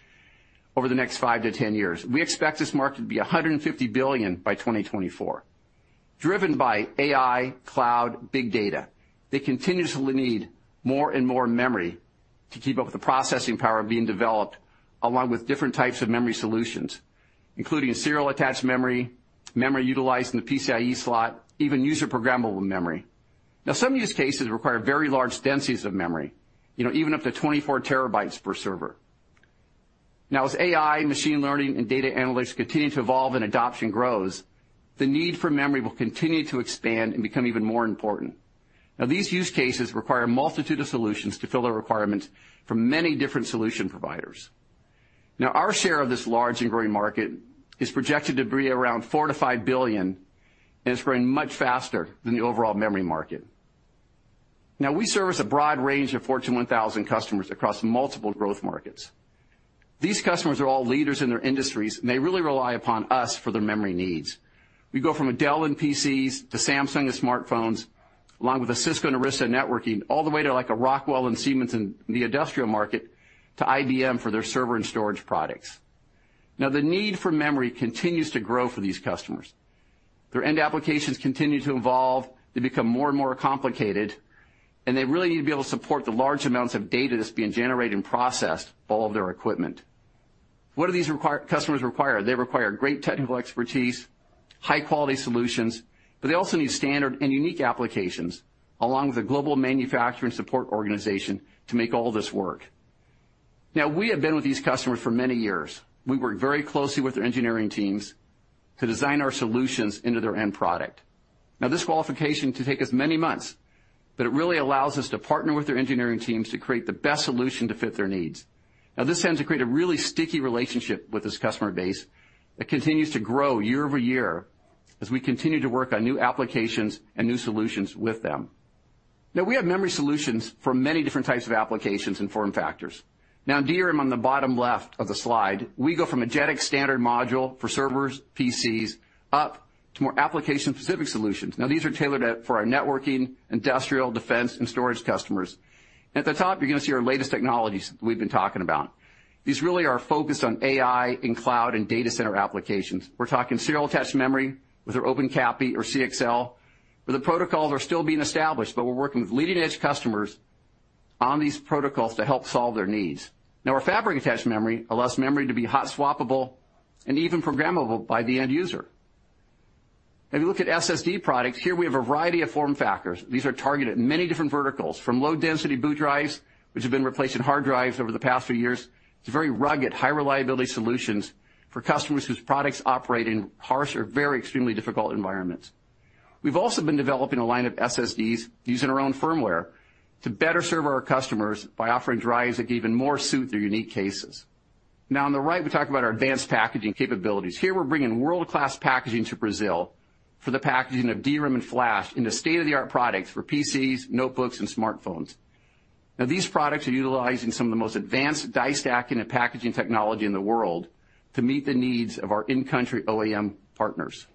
over the next five to 10 years. We expect this market to be $150 billion by 2024, driven by AI, cloud, big data, that continuously need more and more memory to keep up with the processing power being developed, along with different types of memory solutions, including serial attached memory utilized in the PCIe slot, even user-programmable memory. Some use cases require very large densities of memory, even up to 24 terabytes per server. As AI, machine learning, and data analytics continue to evolve and adoption grows, the need for memory will continue to expand and become even more important. These use cases require a multitude of solutions to fill the requirements from many different solution providers. Our share of this large and growing market is projected to be around $4 billion-$5 billion and is growing much faster than the overall memory market. We service a broad range of Fortune 1,000 customers across multiple growth markets. These customers are all leaders in their industries, and they really rely upon us for their memory needs. We go from Dell and PCs to Samsung and smartphones, along with a Cisco and Arista networking, all the way to a Rockwell and Siemens in the industrial market to IBM for their server and storage products. The need for memory continues to grow for these customers. Their end applications continue to evolve. They become more and more complicated, and they really need to be able to support the large amounts of data that is being generated and processed for all of their equipment. What do these customers require? They require great technical expertise, high-quality solutions, but they also need standard and unique applications along with a global manufacturing support organization to make all this work. Now we have been with these customers for many years. We work very closely with their engineering teams to design our solutions into their end product. Now this qualification can take us many months, but it really allows us to partner with their engineering teams to create the best solution to fit their needs. Now this tends to create a really sticky relationship with this customer base that continues to grow year-over-year as we continue to work on new applications and new solutions with them. We have Memory Solutions for many different types of applications and form factors. DRAM on the bottom left of the slide, we go from a JEDEC standard module for servers, PCs up to more application-specific solutions. These are tailored for our networking, industrial, defense, and storage customers. At the top, you're going to see our latest technologies we've been talking about. These really are focused on AI in cloud and data center applications. We're talking serial-attached memory with our OpenCAPI or CXL, where the protocols are still being established, but we're working with leading-edge customers on these protocols to help solve their needs. Our fabric-attached memory allows memory to be hot swappable and even programmable by the end user. If you look at SSD products, here we have a variety of form factors. These are targeted at many different verticals, from low-density boot drives, which have been replacing hard drives over the past few years, to very rugged, high-reliability solutions for customers whose products operate in harsh or very extremely difficult environments. We've also been developing a line of SSDs using our own firmware to better serve our customers by offering drives that even more suit their unique cases. Now on the right, we talk about our advanced packaging capabilities. Here we're bringing world-class packaging to Brazil for the packaging of DRAM and flash into state-of-the-art products for PCs, notebooks, and smartphones. Now, these products are utilizing some of the most advanced die stacking and packaging technology in the world to meet the needs of our in-country OEM partners.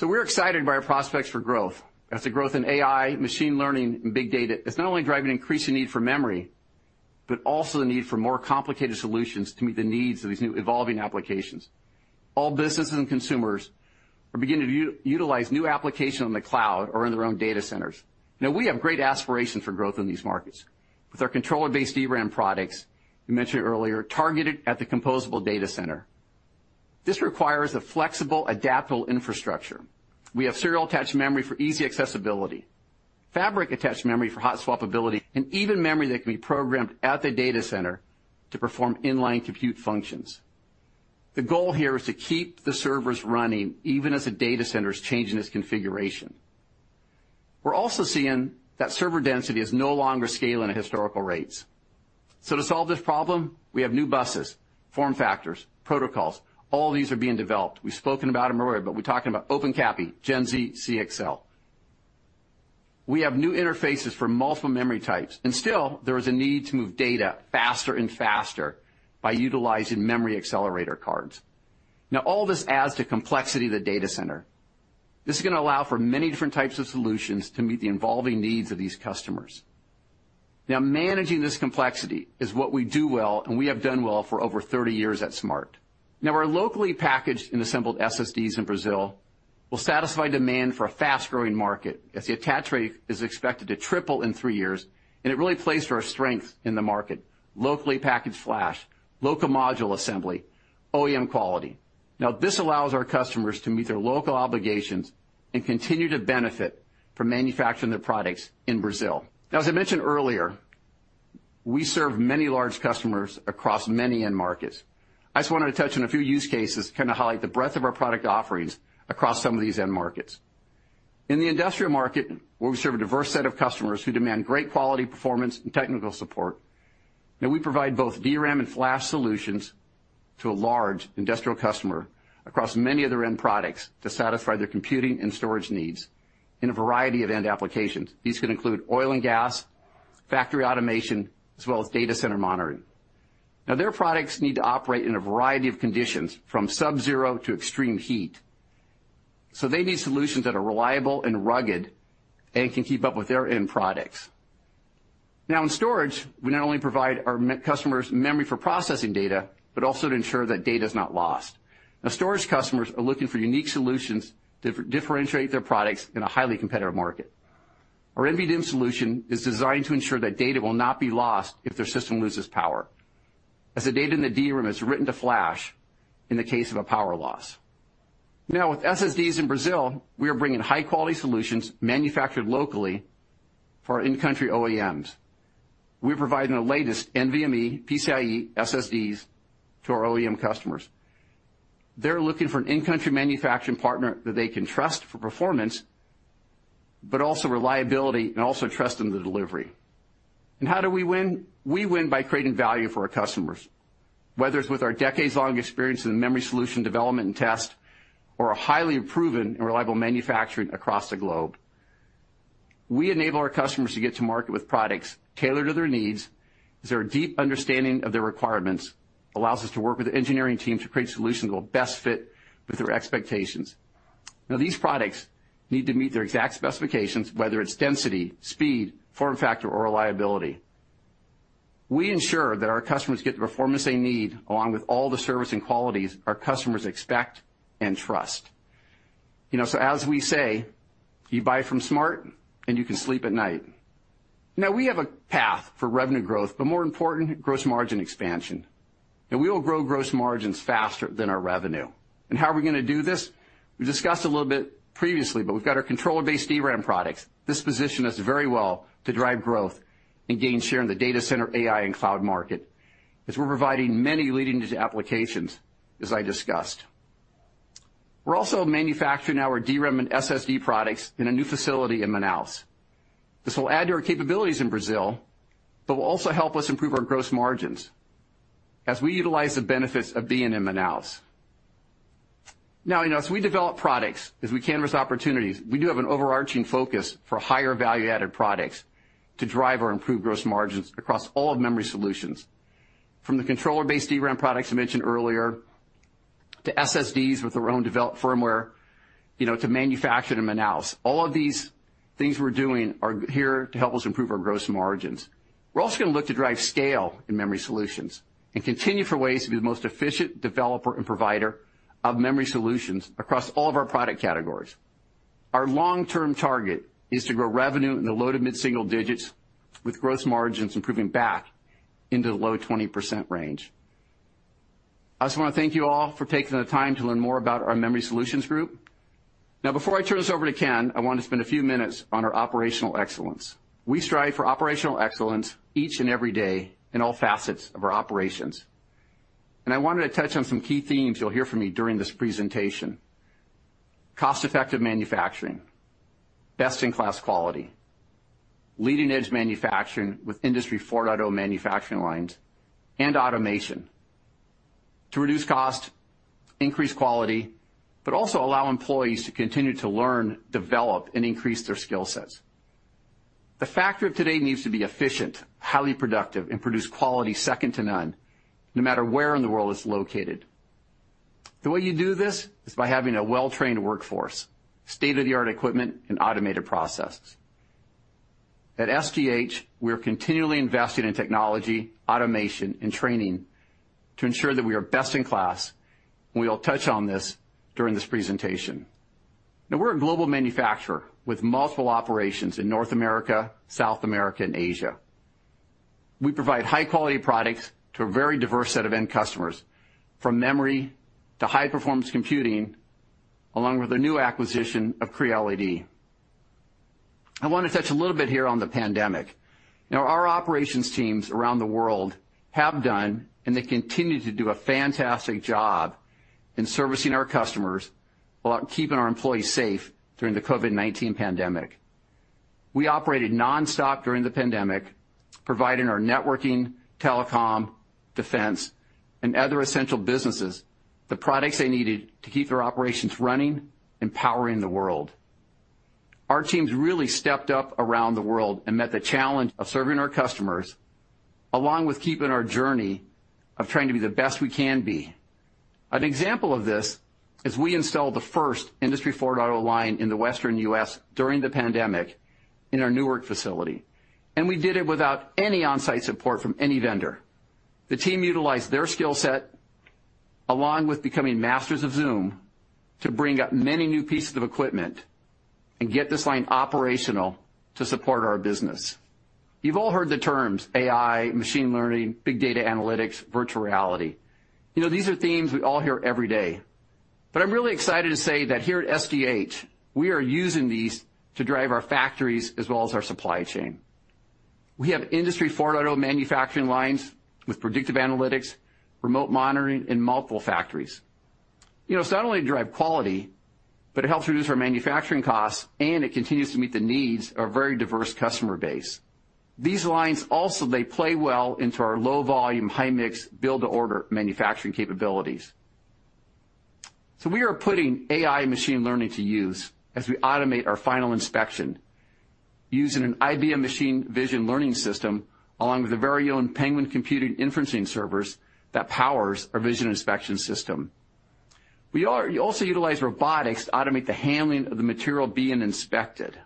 We're excited by our prospects for growth as the growth in AI, machine learning, and big data is not only driving increased need for memory, but also the need for more complicated solutions to meet the needs of these new evolving applications. All businesses and consumers are beginning to utilize new application on the cloud or in their own data centers. We have great aspirations for growth in these markets. With our controller-based DRAM products, we mentioned earlier, targeted at the composable data center. This requires a flexible, adaptable infrastructure. We have serial-attached memory for easy accessibility, fabric-attached memory for hot swappability, and even memory that can be programmed at the data center to perform inline compute functions. The goal here is to keep the servers running even as the data center is changing its configuration. We're also seeing that server density is no longer scaling at historical rates. To solve this problem, we have new buses, form factors, protocols. All these are being developed. We've spoken about them earlier. We're talking about OpenCAPI, Gen-Z, CXL. We have new interfaces for multiple memory types. Still, there is a need to move data faster and faster by utilizing memory accelerator cards. All this adds to complexity of the data center. This is going to allow for many different types of solutions to meet the evolving needs of these customers. Managing this complexity is what we do well, and we have done well for over 30 years at SMART. Our locally packaged and assembled SSDs in Brazil will satisfy demand for a fast-growing market, as the attach rate is expected to triple in three years. It really plays to our strength in the market, locally packaged flash, local module assembly, OEM quality. This allows our customers to meet their local obligations and continue to benefit from manufacturing their products in Brazil. As I mentioned earlier, we serve many large customers across many end markets. I just wanted to touch on a few use cases to kind of highlight the breadth of our product offerings across some of these end markets. In the industrial market, where we serve a diverse set of customers who demand great quality, performance, and technical support. We provide both DRAM and Flash solutions to a large industrial customer across many of their end products to satisfy their computing and storage needs in a variety of end applications. These can include oil and gas, factory automation, as well as data center monitoring. Their products need to operate in a variety of conditions, from subzero to extreme heat. They need solutions that are reliable and rugged and can keep up with their end products. In storage, we not only provide our customers memory for processing data, but also to ensure that data is not lost. Storage customers are looking for unique solutions to differentiate their products in a highly competitive market. Our NVDIMM solution is designed to ensure that data will not be lost if their system loses power, as the data in the DRAM is written to flash in the case of a power loss. With SSDs in Brazil, we are bringing high-quality solutions manufactured locally for our in-country OEMs. We're providing the latest NVMe PCIe SSDs to our OEM customers. They're looking for an in-country manufacturing partner that they can trust for performance, but also reliability and also trust in the delivery. How do we win? We win by creating value for our customers, whether it's with our decades-long experience in the Memory Solutions development and test or a highly proven and reliable manufacturing across the globe. We enable our customers to get to market with products tailored to their needs, as our deep understanding of their requirements allows us to work with engineering teams to create solutions that will best fit with their expectations. Now, these products need to meet their exact specifications, whether it's density, speed, form factor, or reliability. We ensure that our customers get the performance they need, along with all the service and qualities our customers expect and trust. As we say, you buy from SMART, and you can sleep at night. Now, we have a path for revenue growth, but more important, gross margin expansion. We will grow gross margins faster than our revenue. How are we going to do this? We discussed a little bit previously, but we've got our controller-based DRAM products. This positions us very well to drive growth and gain share in the data center, AI, and cloud market, as we're providing many leading-edge applications as I discussed. We're also manufacturing our DRAM and SSD products in a new facility in Manaus. This will add to our capabilities in Brazil, but will also help us improve our gross margins as we utilize the benefits of being in Manaus. As we develop products, as we canvas opportunities, we do have an overarching focus for higher value-added products to drive or improve gross margins across all of Memory Solutions. From the controller-based DRAM products I mentioned earlier, to SSDs with their own developed firmware, to manufacture in Manaus. All of these things we're doing are here to help us improve our gross margins. We're also going to look to drive scale in Memory Solutions and continue for ways to be the most efficient developer and provider of Memory Solutions across all of our product categories. Our long-term target is to grow revenue in the low to mid-single digits, with gross margins improving back into the low 20% range. I just want to thank you all for taking the time to learn more about our Memory Solutions group. Before I turn this over to Ken, I want to spend a few minutes on our operational excellence. We strive for operational excellence each and every day in all facets of our operations. I wanted to touch on some key themes you'll hear from me during this presentation. Cost-effective manufacturing, best-in-class quality, leading-edge manufacturing with Industry 4.0 manufacturing lines, and automation to reduce cost, increase quality, but also allow employees to continue to learn, develop, and increase their skill sets. The factory of today needs to be efficient, highly productive, and produce quality second to none, no matter where in the world it's located. The way you do this is by having a well-trained workforce, state-of-the-art equipment, and automated processes. At SGH, we are continually investing in technology, automation, and training to ensure that we are best in class. We will touch on this during this presentation. We're a global manufacturer with multiple operations in North America, South America, and Asia. We provide high-quality products to a very diverse set of end customers, from memory to high-performance computing, along with our new acquisition of Cree LED. I want to touch a little bit here on the pandemic. Our operations teams around the world have done and they continue to do a fantastic job in servicing our customers while keeping our employees safe during the COVID-19 pandemic. We operated non-stop during the pandemic, providing our networking, telecom, defense, and other essential businesses the products they needed to keep their operations running and powering the world. Our teams really stepped up around the world and met the challenge of serving our customers, along with keeping our journey of trying to be the best we can be. An example of this is we installed the first Industry 4.0 line in the Western U.S. during the pandemic in our Newark facility. We did it without any on-site support from any vendor. The team utilized their skill set, along with becoming masters of Zoom, to bring up many new pieces of equipment and get this line operational to support our business. You've all heard the terms AI, machine learning, big data analytics, virtual reality. These are themes we all hear every day. I'm really excited to say that here at SGH, we are using these to drive our factories as well as our supply chain. We have Industry 4.0 manufacturing lines with predictive analytics, remote monitoring in multiple factories. It's not only to drive quality. It helps reduce our manufacturing costs. It continues to meet the needs of a very diverse customer base. These lines also they play well into our low volume, high mix, build-to-order manufacturing capabilities. We are putting AI and machine learning to use as we automate our final inspection using an IBM machine vision learning system, along with our very own Penguin Computing inferencing servers that powers our vision inspection system. We also utilize robotics to automate the handling of the material being inspected.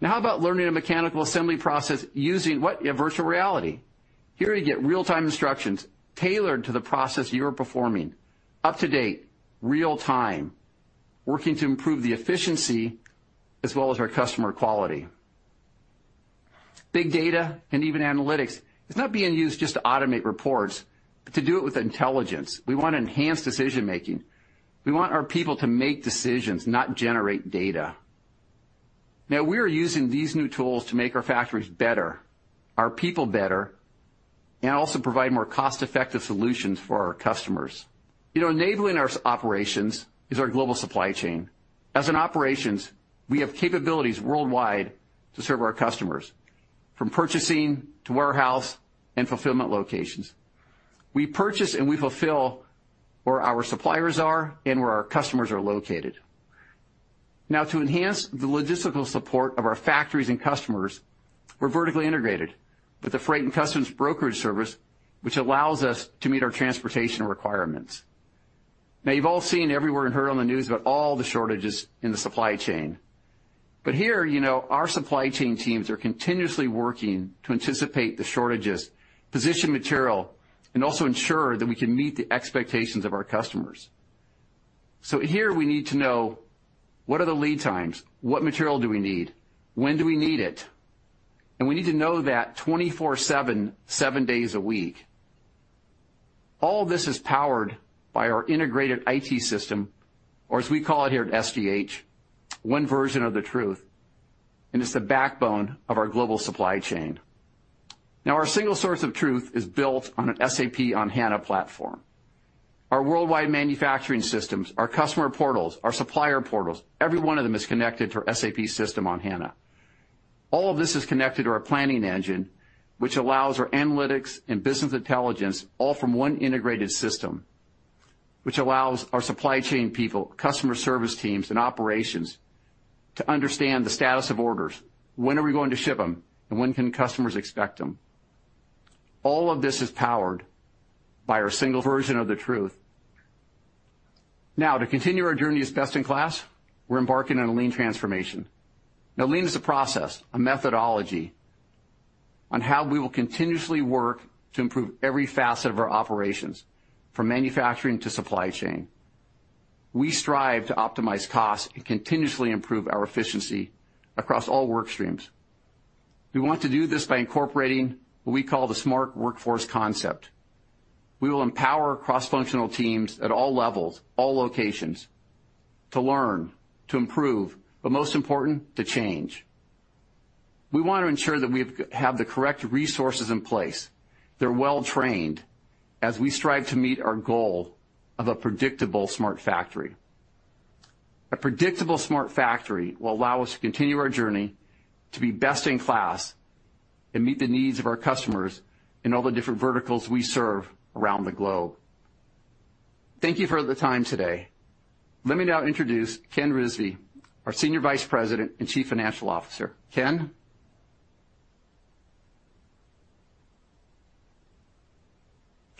Now, how about learning a mechanical assembly process using virtual reality? Here, you get real-time instructions tailored to the process you are performing, up-to-date, real-time, working to improve the efficiency as well as our customer quality. Big data and even analytics is not being used just to automate reports, but to do it with intelligence. We want to enhance decision-making. We want our people to make decisions, not generate data. We are using these new tools to make our factories better, our people better, and also provide more cost-effective solutions for our customers. Enabling our operations is our global supply chain. As an operations, we have capabilities worldwide to serve our customers, from purchasing to warehouse and fulfillment locations. We purchase and we fulfill where our suppliers are and where our customers are located. To enhance the logistical support of our factories and customers, we're vertically integrated with the freight and customs brokerage service, which allows us to meet our transportation requirements. You've all seen everywhere and heard on the news about all the shortages in the supply chain. Here, our supply chain teams are continuously working to anticipate the shortages, position material, and also ensure that we can meet the expectations of our customers. Here, we need to know: what are the lead times? We need to know that 24/7, seven days a week. All this is powered by our integrated IT system, or as we call it here at SGH, one version of the truth, and it is the backbone of our global supply chain. Our single source of truth is built on an SAP on HANA platform. Our worldwide manufacturing systems, our customer portals, our supplier portals, every one of them is connected to our SAP system on HANA. All of this is connected to our planning engine, which allows our analytics and business intelligence all from one integrated system. Which allows our supply chain people, customer service teams, and operations to understand the status of orders, when are we going to ship them, and when can customers expect them. All of this is powered by our single version of the truth. Now, to continue our journey as best in class, we're embarking on a lean transformation. Now, lean is a process, a methodology on how we will continuously work to improve every facet of our operations, from manufacturing to supply chain. We strive to optimize costs and continuously improve our efficiency across all work streams. We want to do this by incorporating what we call the smart workforce concept. We will empower cross-functional teams at all levels, all locations, to learn, to improve, but most important, to change. We want to ensure that we have the correct resources in place, they're well-trained, as we strive to meet our goal of a predictable smart factory. A predictable smart factory will allow us to continue our journey to be best in class and meet the needs of our customers in all the different verticals we serve around the globe. Thank you for the time today. Let me now introduce Ken Rizvi, our Senior Vice President and Chief Financial Officer. Ken?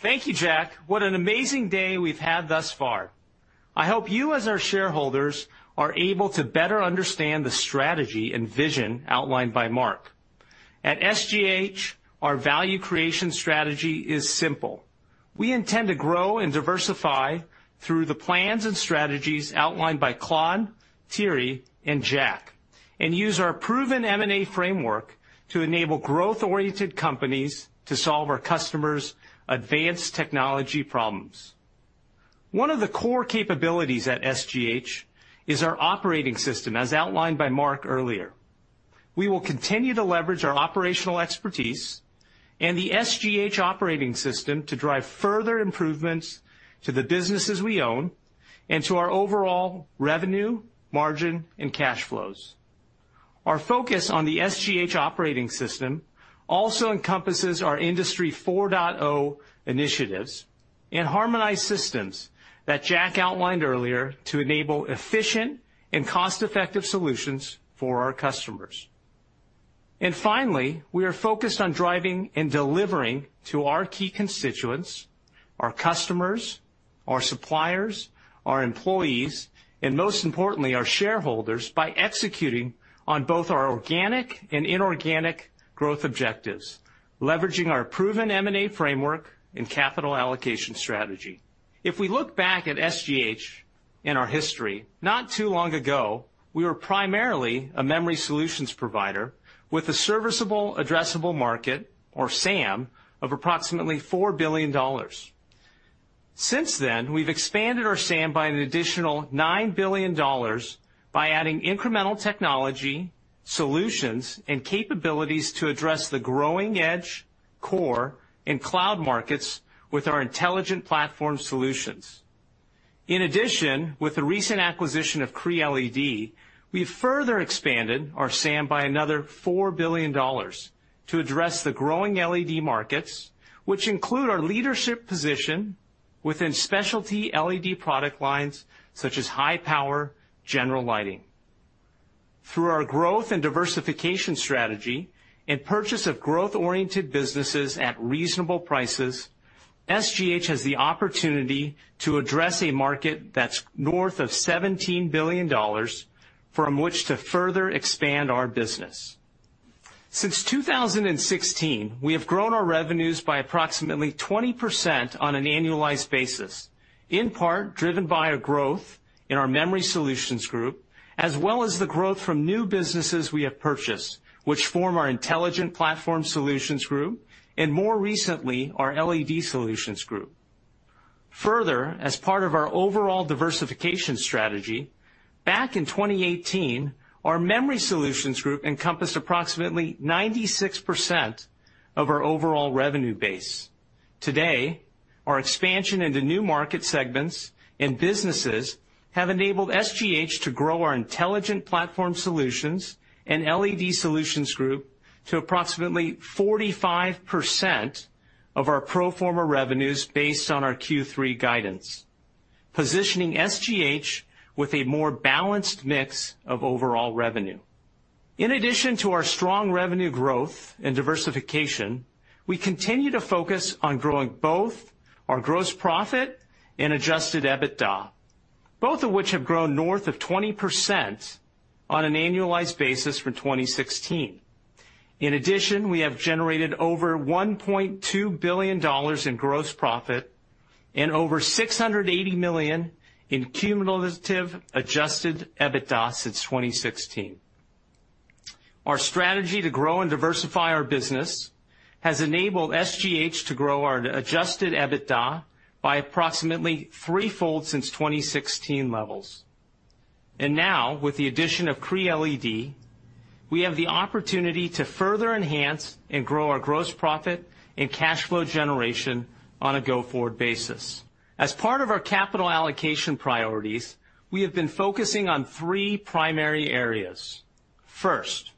Thank you, Jack. What an amazing day we've had thus far. I hope you, as our shareholders, are able to better understand the strategy and vision outlined by Mark. At SGH, our value creation strategy is simple. We intend to grow and diversify through the plans and strategies outlined by Claude, Thierry, and Jack, and use our proven M&A framework to enable growth-oriented companies to solve our customers' advanced technology problems. One of the core capabilities at SGH is our operating system, as outlined by Mark earlier. We will continue to leverage our operational expertise and the SGH operating system to drive further improvements to the businesses we own and to our overall revenue, margin, and cash flows. Our focus on the SGH operating system also encompasses our Industry 4.0 initiatives and harmonized systems that Jack outlined earlier to enable efficient and cost-effective solutions for our customers. Finally, we are focused on driving and delivering to our key constituents, our customers, our suppliers, our employees, and most importantly, our shareholders, by executing on both our organic and inorganic growth objectives, leveraging our proven M&A framework and capital allocation strategy. If we look back at SGH and our history, not too long ago, we were primarily a Memory Solutions provider with a serviceable addressable market, or SAM, of approximately $4 billion. Since then, we've expanded our SAM by an additional $9 billion by adding incremental technology, solutions, and capabilities to address the growing edge, core, and cloud markets with our Intelligent Platform Solutions. In addition, with the recent acquisition of Cree LED, we've further expanded our SAM by another $4 billion to address the growing LED markets, which include our leadership position within specialty LED product lines, such as high power general lighting. Through our growth and diversification strategy and purchase of growth-oriented businesses at reasonable prices, SGH has the opportunity to address a market that's north of $17 billion from which to further expand our business. Since 2016, we have grown our revenues by approximately 20% on an annualized basis, in part driven by a growth in our Memory Solutions Group, as well as the growth from new businesses we have purchased, which form our Intelligent Platform Solutions Group and more recently, our LED Solutions Group. Further, as part of our overall diversification strategy, back in 2018, our Memory Solutions Group encompassed approximately 96% of our overall revenue base. Today, our expansion into new market segments and businesses have enabled SGH to grow our Intelligent Platform Solutions and LED Solutions Group to approximately 45% of our pro forma revenues based on our Q3 guidance, positioning SGH with a more balanced mix of overall revenue. In addition to our strong revenue growth and diversification, we continue to focus on growing both our gross profit and adjusted EBITDA, both of which have grown north of 20% on an annualized basis for 2016. In addition, we have generated over $1.2 billion in gross profit and over $680 million in cumulative adjusted EBITDA since 2016. Our strategy to grow and diversify our business has enabled SGH to grow our adjusted EBITDA by approximately threefold since 2016 levels. Now, with the addition of Cree LED, we have the opportunity to further enhance and grow our gross profit and cash flow generation on a go-forward basis. As part of our capital allocation priorities, we have been focusing on three primary areas. First,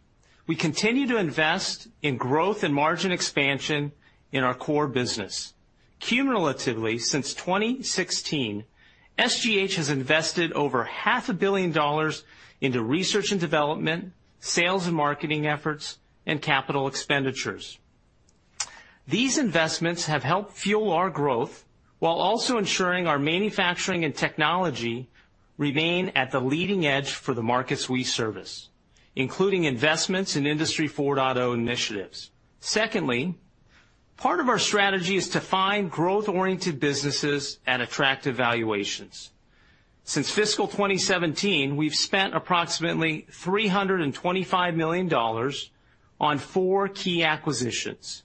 we continue to invest in growth and margin expansion in our core business. Cumulatively since 2016, SGH has invested over half a billion dollars into research and development, sales and marketing efforts, and capital expenditures. These investments have helped fuel our growth while also ensuring our manufacturing and technology remain at the leading edge for the markets we service, including investments in Industry 4.0 initiatives. Secondly, part of our strategy is to find growth-oriented businesses at attractive valuations. Since fiscal 2017, we've spent approximately $325 million on four key acquisitions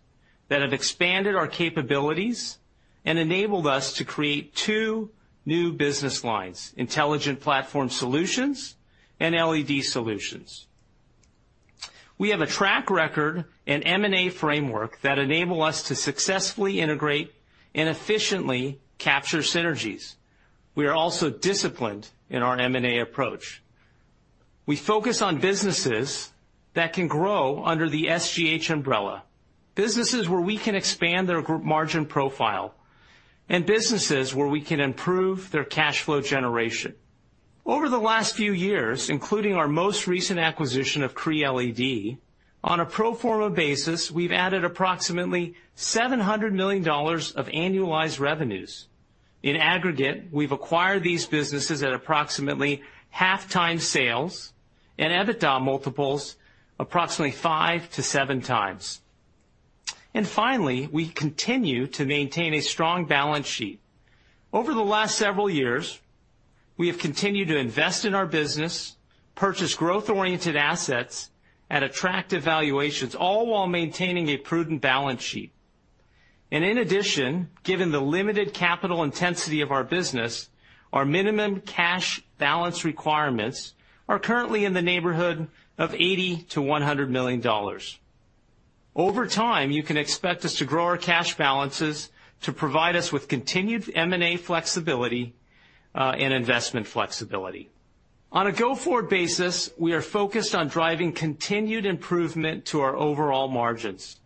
that have expanded our capabilities and enabled us to create two new business lines, Intelligent Platform Solutions and LED Solutions. We have a track record and M&A framework that enable us to successfully integrate and efficiently capture synergies. We are also disciplined in our M&A approach. We focus on businesses that can grow under the SGH umbrella, businesses where we can expand their group margin profile, and businesses where we can improve their cash flow generation. Over the last few years, including our most recent acquisition of Cree LED, on a pro forma basis, we've added approximately $700 million of annualized revenues. In aggregate, we've acquired these businesses at approximately 0.5x sales and EBITDA multiples approximately 5x-7x. Finally, we continue to maintain a strong balance sheet. Over the last several years, we have continued to invest in our business, purchase growth-oriented assets at attractive valuations, all while maintaining a prudent balance sheet. In addition, given the limited capital intensity of our business, our minimum cash balance requirements are currently in the neighborhood of $80 million to $100 million. Over time, you can expect us to grow our cash balances to provide us with continued M&A flexibility, and investment flexibility. On a go-forward basis, we are focused on driving continued improvement to our overall margins.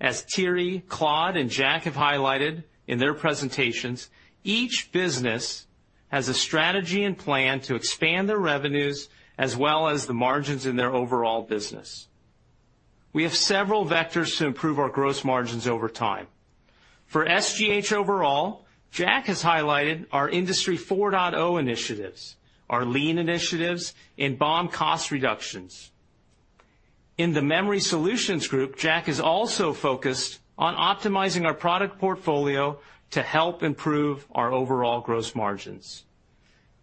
As Thierry, Claude, and Jack have highlighted in their presentations, each business has a strategy and plan to expand their revenues as well as the margins in their overall business. We have several vectors to improve our gross margins over time. For SGH overall, Jack has highlighted our Industry 4.0 initiatives, our lean initiatives, and BOM cost reductions. In the Memory Solutions group, Jack is also focused on optimizing our product portfolio to help improve our overall gross margins.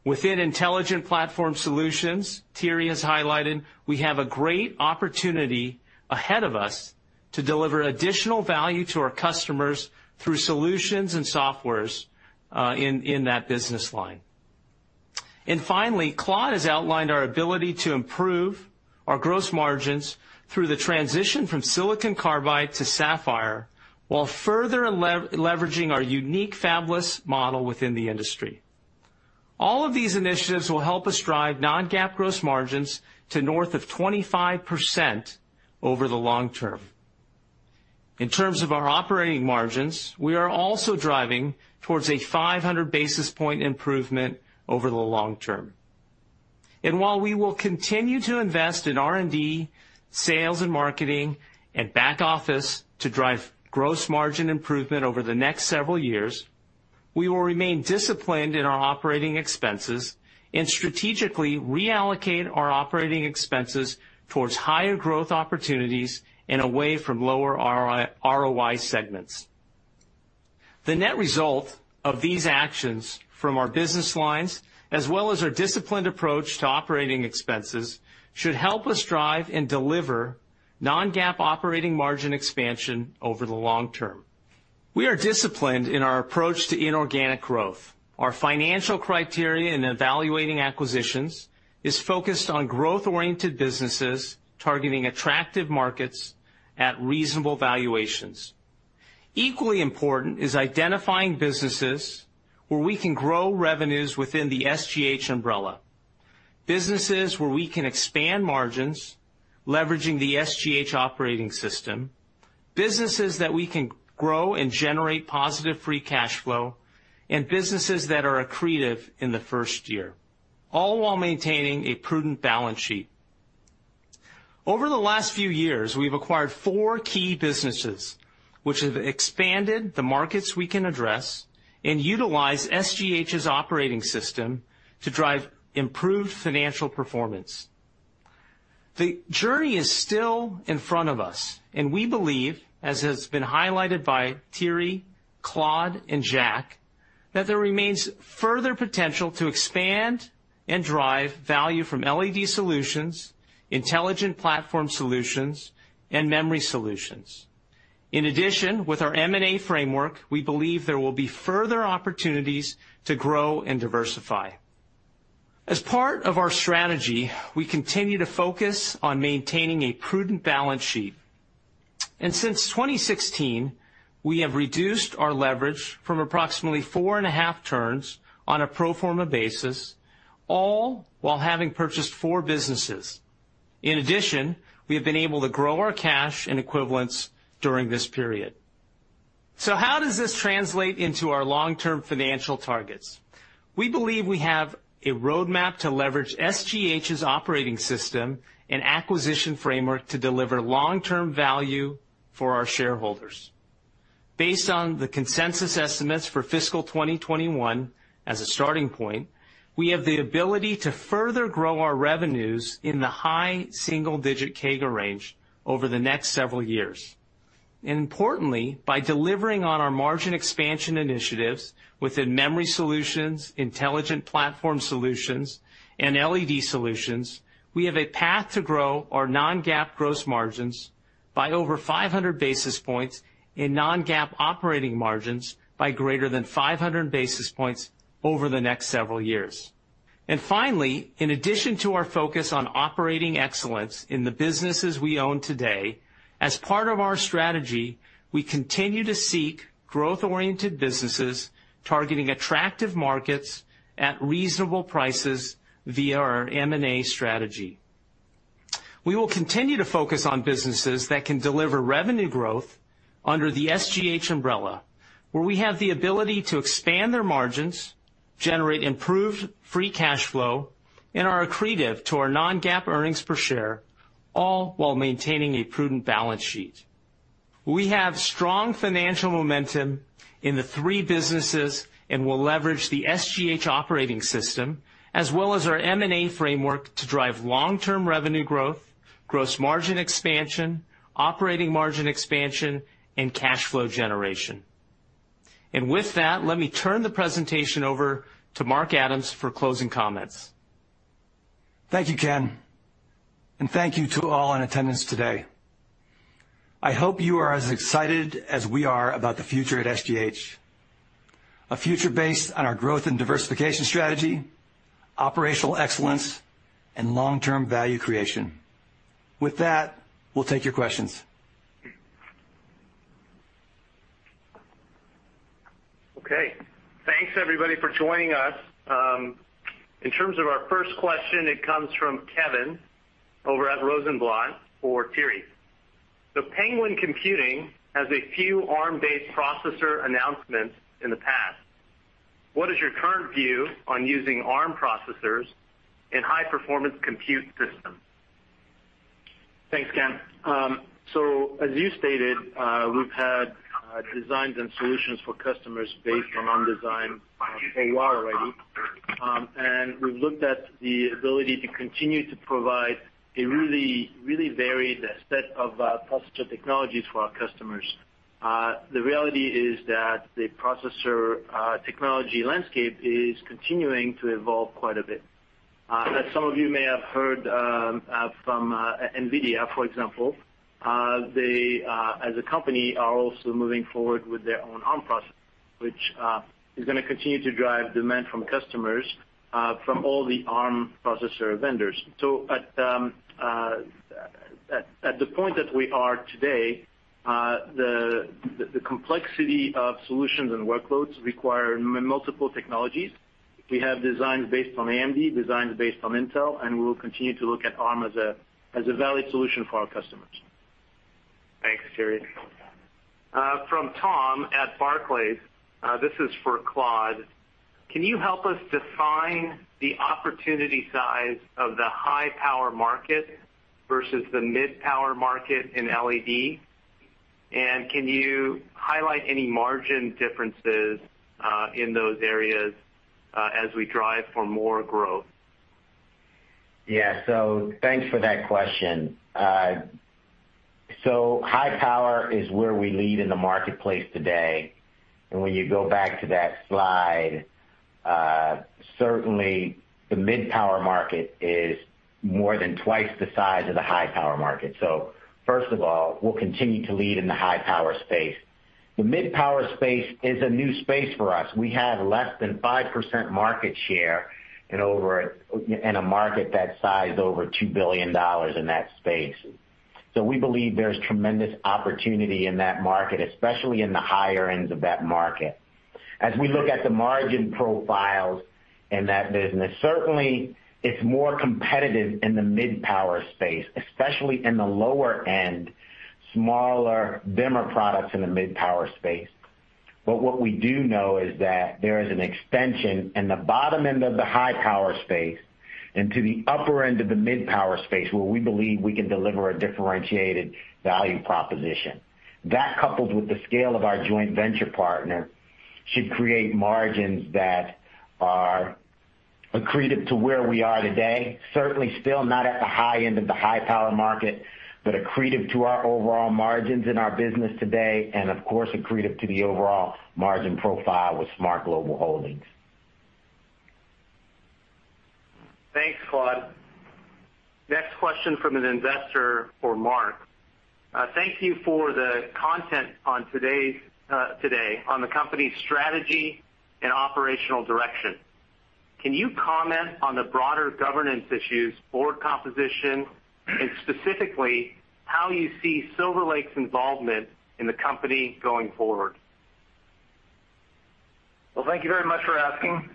Within Intelligent Platform Solutions, Thierry has highlighted we have a great opportunity ahead of us to deliver additional value to our customers through solutions and softwares, in that business line. Finally, Claude has outlined our ability to improve our gross margins through the transition from silicon carbide to sapphire, while further leveraging our unique fabless model within the industry. All of these initiatives will help us drive non-GAAP gross margins to north of 25% over the long term. In terms of our operating margins, we are also driving towards a 500 basis point improvement over the long term. While we will continue to invest in R&D, sales and marketing, and back office to drive gross margin improvement over the next several years, we will remain disciplined in our operating expenses and strategically reallocate our operating expenses towards higher growth opportunities and away from lower ROI segments. The net result of these actions from our business lines, as well as our disciplined approach to operating expenses, should help us drive and deliver non-GAAP operating margin expansion over the long term. We are disciplined in our approach to inorganic growth. Our financial criteria in evaluating acquisitions is focused on growth-oriented businesses targeting attractive markets at reasonable valuations. Equally important is identifying businesses where we can grow revenues within the SGH umbrella. Businesses where we can expand margins, leveraging the SGH operating system, businesses that we can grow and generate positive free cash flow, and businesses that are accretive in the first year, all while maintaining a prudent balance sheet. Over the last few years, we've acquired four key businesses, which have expanded the markets we can address and utilize SGH's operating system to drive improved financial performance. We believe, as has been highlighted by Thierry, Claude, and Jack, that there remains further potential to expand and drive value from LED Solutions, Intelligent Platform Solutions, and Memory Solutions. In addition, with our M&A framework, we believe there will be further opportunities to grow and diversify. As part of our strategy, we continue to focus on maintaining a prudent balance sheet. Since 2016, we have reduced our leverage from approximately four and a half turns on a pro forma basis, all while having purchased four businesses. In addition, we have been able to grow our cash and equivalents during this period. How does this translate into our long-term financial targets? We believe we have a roadmap to leverage SGH's operating system and acquisition framework to deliver long-term value for our shareholders. Based on the consensus estimates for fiscal 2021 as a starting point, we have the ability to further grow our revenues in the high single-digit CAGR range over the next several years. Importantly, by delivering on our margin expansion initiatives within Memory Solutions, Intelligent Platform Solutions, and LED Solutions, we have a path to grow our non-GAAP gross margins by over 500 basis points in non-GAAP operating margins by greater than 500 basis points over the next several years. Finally, in addition to our focus on operating excellence in the businesses we own today, as part of our strategy, we continue to seek growth-oriented businesses targeting attractive markets at reasonable prices via our M&A strategy. We will continue to focus on businesses that can deliver revenue growth under the SGH umbrella, where we have the ability to expand their margins, generate improved free cash flow, and are accretive to our non-GAAP earnings per share, all while maintaining a prudent balance sheet. We have strong financial momentum in the three businesses and will leverage the SGH operating system as well as our M&A framework to drive long-term revenue growth, gross margin expansion, operating margin expansion, and cash flow generation. With that, let me turn the presentation over to Mark Adams for closing comments.
Thank you, Ken, and thank you to all in attendance today. I hope you are as excited as we are about the future at SGH, a future based on our growth and diversification strategy, operational excellence, and long-term value creation. With that, we'll take your questions.
Okay. Thanks, everybody, for joining us. In terms of our first question, it comes from Kevin over at Rosenblatt Securities for Thierry. Penguin Computing has a few Arm-based processor announcements in the past. What is your current view on using Arm processors in high-performance compute systems?
Thanks, Ken. As you stated, we've had designs and solutions for customers based on Arm design, or are already. We've looked at the ability to continue to provide a really varied set of processor technologies for our customers. The reality is that the processor technology landscape is continuing to evolve quite a bit. As some of you may have heard from NVIDIA, for example, they as a company, are also moving forward with their own Arm processor, which is going to continue to drive demand from customers, from all the Arm processor vendors. At the point that we are today, the complexity of solutions and workloads require multiple technologies. We have designs based on AMD, designs based on Intel, and we will continue to look at Arm as a valid solution for our customers.
Thanks, Thierry. From Tom at Barclays. This is for Claude. Can you help us define the opportunity size of the high-power market versus the mid-power market in LED? Can you highlight any margin differences in those areas as we drive for more growth?
Thanks for that question. High power is where we lead in the marketplace today, and when you go back to that slide, certainly the mid-power market is more than twice the size of the high-power market. First of all, we'll continue to lead in the high-power space. The mid-power space is a new space for us. We have less than 5% market share in a market that's sized over $2 billion in that space. We believe there's tremendous opportunity in that market, especially in the higher ends of that market. As we look at the margin profiles in that business, certainly it's more competitive in the mid-power space, especially in the lower end, smaller, dimmer products in the mid-power space. What we do know is that there is an extension in the bottom end of the high-power space into the upper end of the mid-power space, where we believe we can deliver a differentiated value proposition. That, coupled with the scale of our joint venture partner, should create margins that are accretive to where we are today. Certainly still not at the high end of the high-power market, but accretive to our overall margins in our business today, and of course, accretive to the overall margin profile with SMART Global Holdings.
Thanks, Claude. Next question from an investor for Mark. Thank you for the content today on the company's strategy and operational direction. Can you comment on the broader governance issues, board composition, and specifically how you see Silver Lake's involvement in the company going forward?
Well, thank you very much for asking.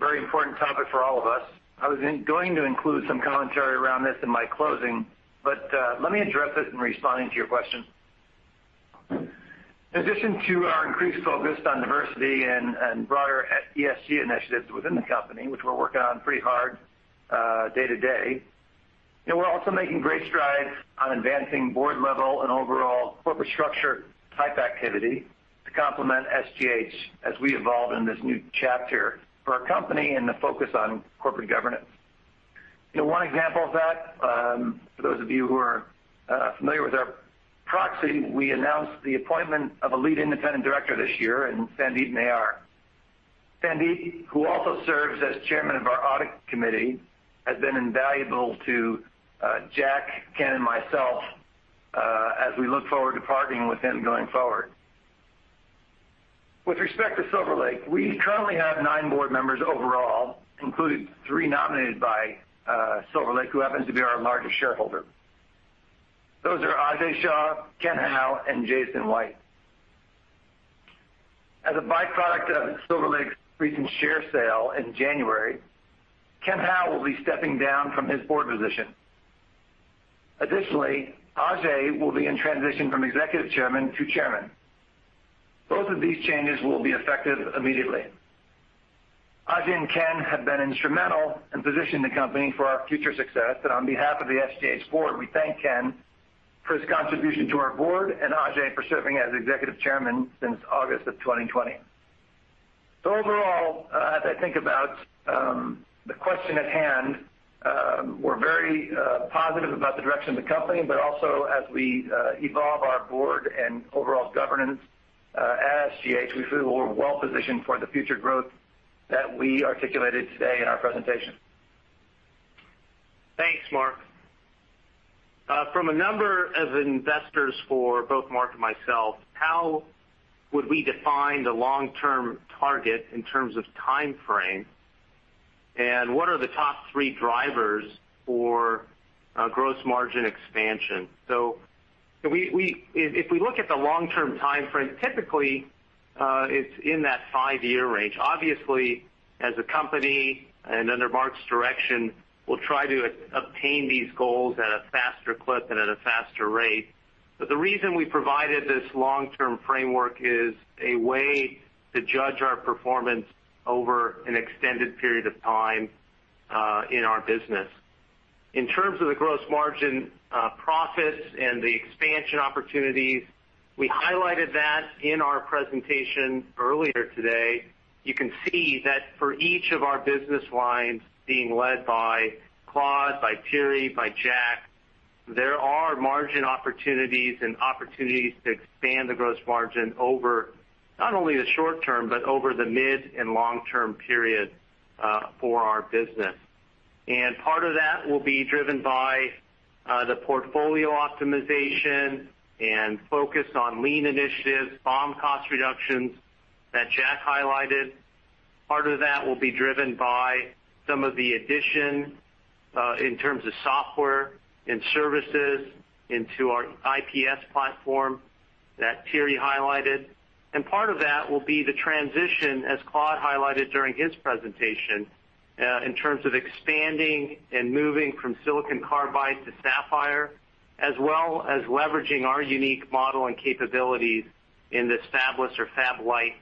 Very important topic for all of us. I was going to include some commentary around this in my closing, let me address it in responding to your question. In addition to our increased focus on diversity and broader ESG initiatives within the company, which we're working on pretty hard day to day, we're also making great strides on advancing board level and overall corporate structure type activity to complement SGH as we evolve in this new chapter for our company and the focus on corporate governance. One example of that, for those of you who are familiar with our proxy, we announced the appointment of a lead independent director this year in Sandeep Nayyar. Sandeep, who also serves as chairman of our audit committee, has been invaluable to Jack, Ken, and myself as we look forward to partnering with him going forward. With respect to Silver Lake, we currently have nine board members overall, including three nominated by Silver Lake, who happen to be our largest shareholder. Those are Ajay Shah, Kenneth Hao, and Jason White. As a byproduct of Silver Lake's recent share sale in January, Kenneth Hao will be stepping down from his board position. Ajay will be in transition from Executive Chairman to Chairman. Both of these changes will be effective immediately. Ajay and Ken have been instrumental in positioning the company for our future success, and on behalf of the SGH board, we thank Ken for his contribution to our board and Ajay for serving as Executive Chairman since August of 2020. Overall, as I think about the question at hand, we're very positive about the direction of the company, but also as we evolve our board and overall governance at SGH, we feel we're well-positioned for the future growth that we articulated today in our presentation.
Thanks, Mark. From a number of investors for both Mark and myself, how would we define the long-term target in terms of timeframe, and what are the top three drivers for gross margin expansion? If we look at the long-term timeframe, typically, it's in that five-year range. Obviously, as a company and under Mark's direction, we'll try to obtain these goals at a faster clip and at a faster rate. The reason we provided this long-term framework is a way to judge our performance over an extended period of time in our business. In terms of the gross margin profits and the expansion opportunities, we highlighted that in our presentation earlier today. You can see that for each of our business lines being led by Claude, by Thierry, by Jack, there are margin opportunities and opportunities to expand the gross margin over not only the short term, but over the mid and long-term period for our business. Part of that will be driven by the portfolio optimization and focus on lean initiatives, BOM cost reductions that Jack highlighted. Part of that will be driven by some of the addition in terms of software and services into our IPS platform that Thierry highlighted. Part of that will be the transition, as Claude highlighted during his presentation, in terms of expanding and moving from silicon carbide to sapphire, as well as leveraging our unique model and capabilities in this fabless or fab-lite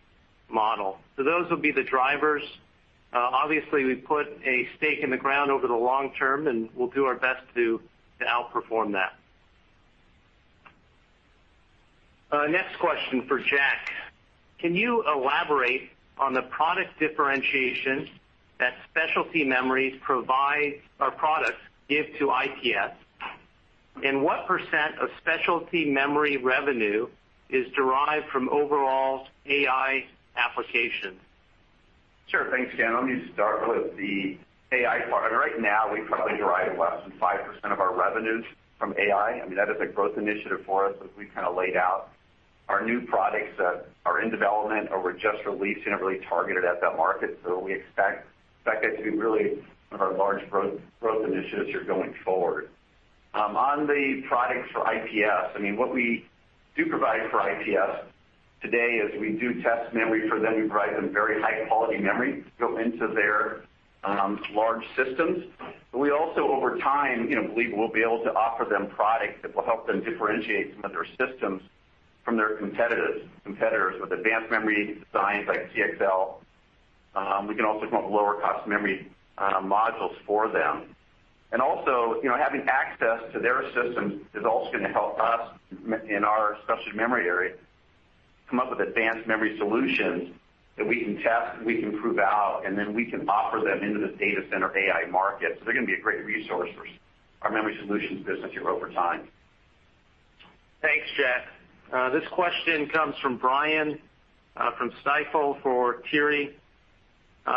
model. Those will be the drivers. Obviously, we put a stake in the ground over the long term, and we'll do our best to outperform that. Next question for Jack. Can you elaborate on the product differentiation that specialty memories provide, or products give to IPS? What percent of specialty memory revenue is derived from overall AI applications?
Sure. Thanks, Ken. Let me start with the AI part. Right now, we probably derive less than 5% of our revenues from AI. That is a growth initiative for us as we laid out our new products that are in development or were just released and are really targeted at that market. We expect that to be really one of our large growth initiatives here going forward. On the products for IPS, what we do provide for IPS today is we do test memory for them. We provide them very high-quality memory to go into their large systems. We also, over time, believe we'll be able to offer them products that will help them differentiate some of their systems from their competitors with advanced memory designs like CXL. We can also come up with lower-cost memory modules for them. Also, having access to their systems is also going to help us in our specialty memory area come up with advanced memory solutions that we can test, we can prove out, and then we can offer them into this data center AI market. They're going to be a great resource for our Memory Solutions business here over time.
Thanks, Jack. This question comes from Brian, from Stifel for Thierry.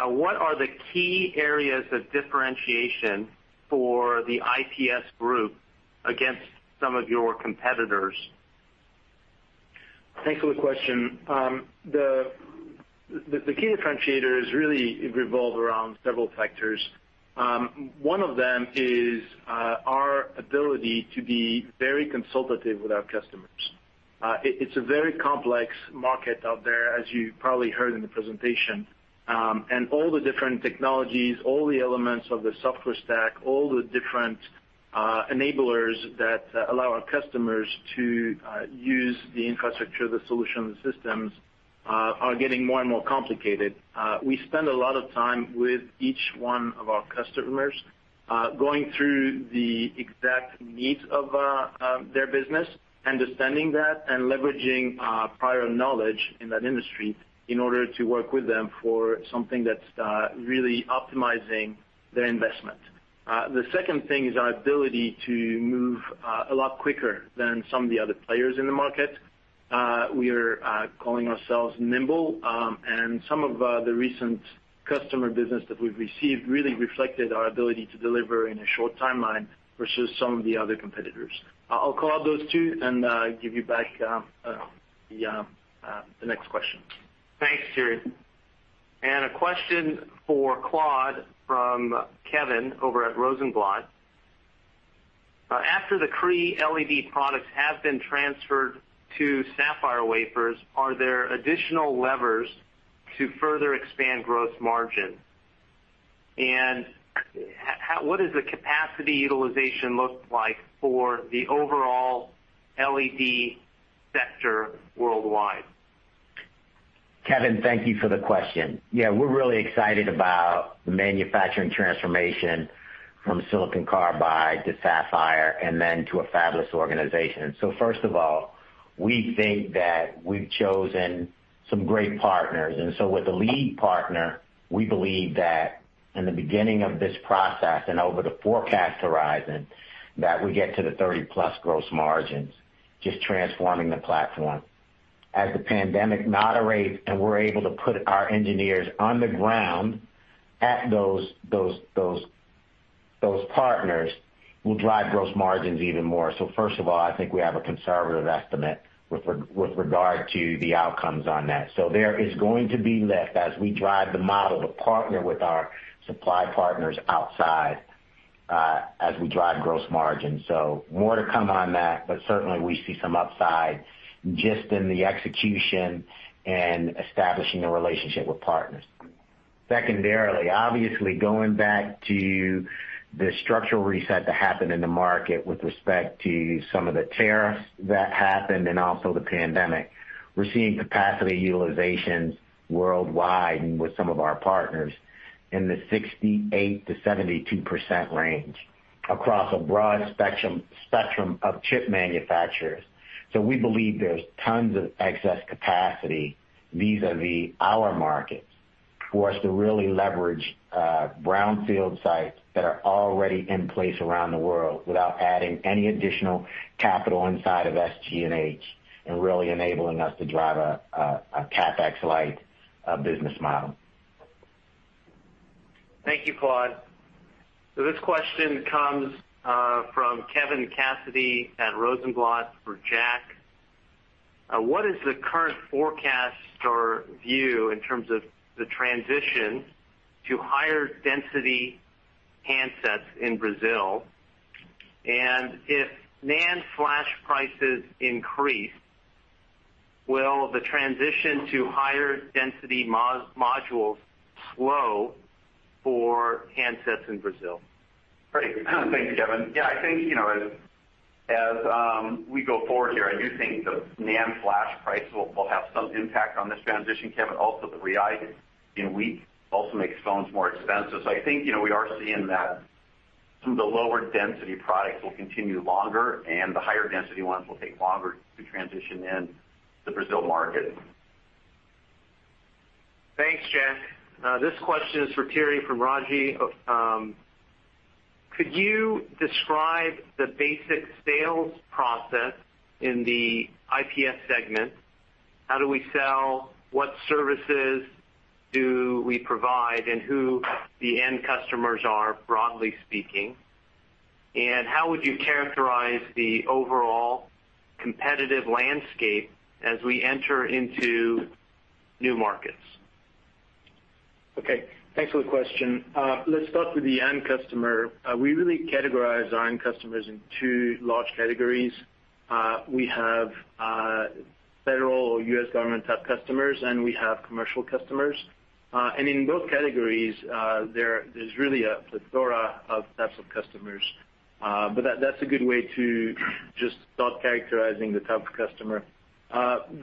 What are the key areas of differentiation for the IPS group against some of your competitors?
Thanks for the question. The key differentiators really revolve around several factors. One of them is our ability to be very consultative with our customers. It's a very complex market out there, as you probably heard in the presentation. All the different technologies, all the elements of the software stack, all the different enablers that allow our customers to use the infrastructure, the solution, the systems, are getting more and more complicated. We spend a lot of time with each one of our customers, going through the exact needs of their business, understanding that, and leveraging our prior knowledge in that industry in order to work with them for something that's really optimizing their investment. The second thing is our ability to move a lot quicker than some of the other players in the market. We are calling ourselves nimble, and some of the recent customer business that we've received really reflected our ability to deliver in a short timeline versus some of the other competitors. I'll call out those two and give you back the next question.
Thanks, Thierry. A question for Claude from Kevin over at Rosenblatt. After the Cree LED products have been transferred to sapphire wafers, are there additional levers to further expand gross margin? What does the capacity utilization look like for the overall LED sector worldwide?
Kevin, thank you for the question. Yeah, we're really excited about the manufacturing transformation from silicon carbide to sapphire and then to a fabless organization. First of all, we think that we've chosen some great partners, and so with the lead partner, we believe that in the beginning of this process and over the forecast horizon, that we get to the 30+ gross margins, just transforming the platform. As the pandemic moderates and we're able to put our engineers on the ground at those partners will drive gross margins even more. First of all, I think we have a conservative estimate with regard to the outcomes on that. There is going to be lift as we drive the model to partner with our supply partners outside, as we drive gross margin. More to come on that, but certainly we see some upside just in the execution and establishing a relationship with partners. Secondarily, obviously, going back to the structural reset that happened in the market with respect to some of the tariffs that happened and also the pandemic, we're seeing capacity utilizations worldwide and with some of our partners in the 68%-72% range across a broad spectrum of chip manufacturers. We believe there's tons of excess capacity, vis-a-vis our markets, for us to really leverage brownfield sites that are already in place around the world without adding any additional capital inside of SGH, and really enabling us to drive a CapEx-light business model.
Thank you, Claude. This question comes from Kevin Cassidy at Rosenblatt for Jack. What is the current forecast or view in terms of the transition to higher density handsets in Brazil? If NAND flash prices increase, will the transition to higher density modules slow for handsets in Brazil?
Great. Thanks, Kevin. Yeah, I think, as we go forward here, I do think the NAND flash price will have some impact on this transition, Kevin. The realite in week also makes phones more expensive. I think, we are seeing that some of the lower density products will continue longer and the higher density ones will take longer to transition in the Brazil market.
Thanks, Jack. This question is for Thierry from Raji. Could you describe the basic sales process in the IPS segment? How do we sell, what services do we provide, and who the end customers are, broadly speaking? How would you characterize the overall competitive landscape as we enter into new markets?
Okay, thanks for the question. Let's start with the end customer. We really categorize our end customers in two large categories. We have Federal U.S. government type customers, and we have commercial customers. In both categories, there's really a plethora of types of customers. That's a good way to just start characterizing the type of customer.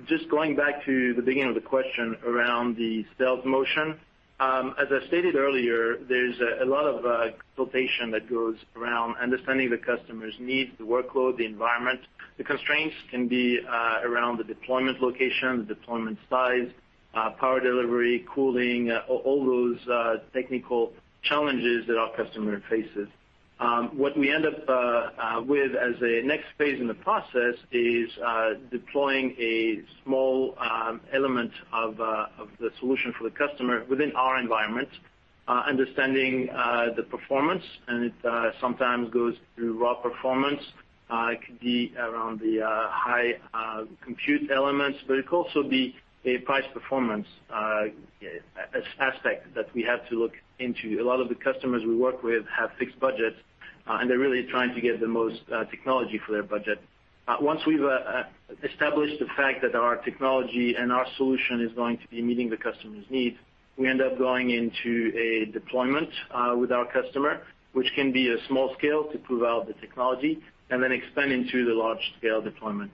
Just going back to the beginning of the question around the sales motion. As I stated earlier, there's a lot of consultation that goes around understanding the customer's needs, the workload, the environment. The constraints can be around the deployment location, the deployment size, power delivery, cooling, all those technical challenges that our customer faces. What we end up with as a next phase in the process is deploying a small element of the solution for the customer within our environment. Understanding the performance, and it sometimes goes through raw performance. It could be around the high compute elements, but it could also be a price-performance aspect that we have to look into. A lot of the customers we work with have fixed budgets, and they're really trying to get the most technology for their budget. Once we've established the fact that our technology and our solution is going to be meeting the customer's needs, we end up going into a deployment with our customer, which can be a small scale to prove out the technology, and then expand into the large-scale deployment.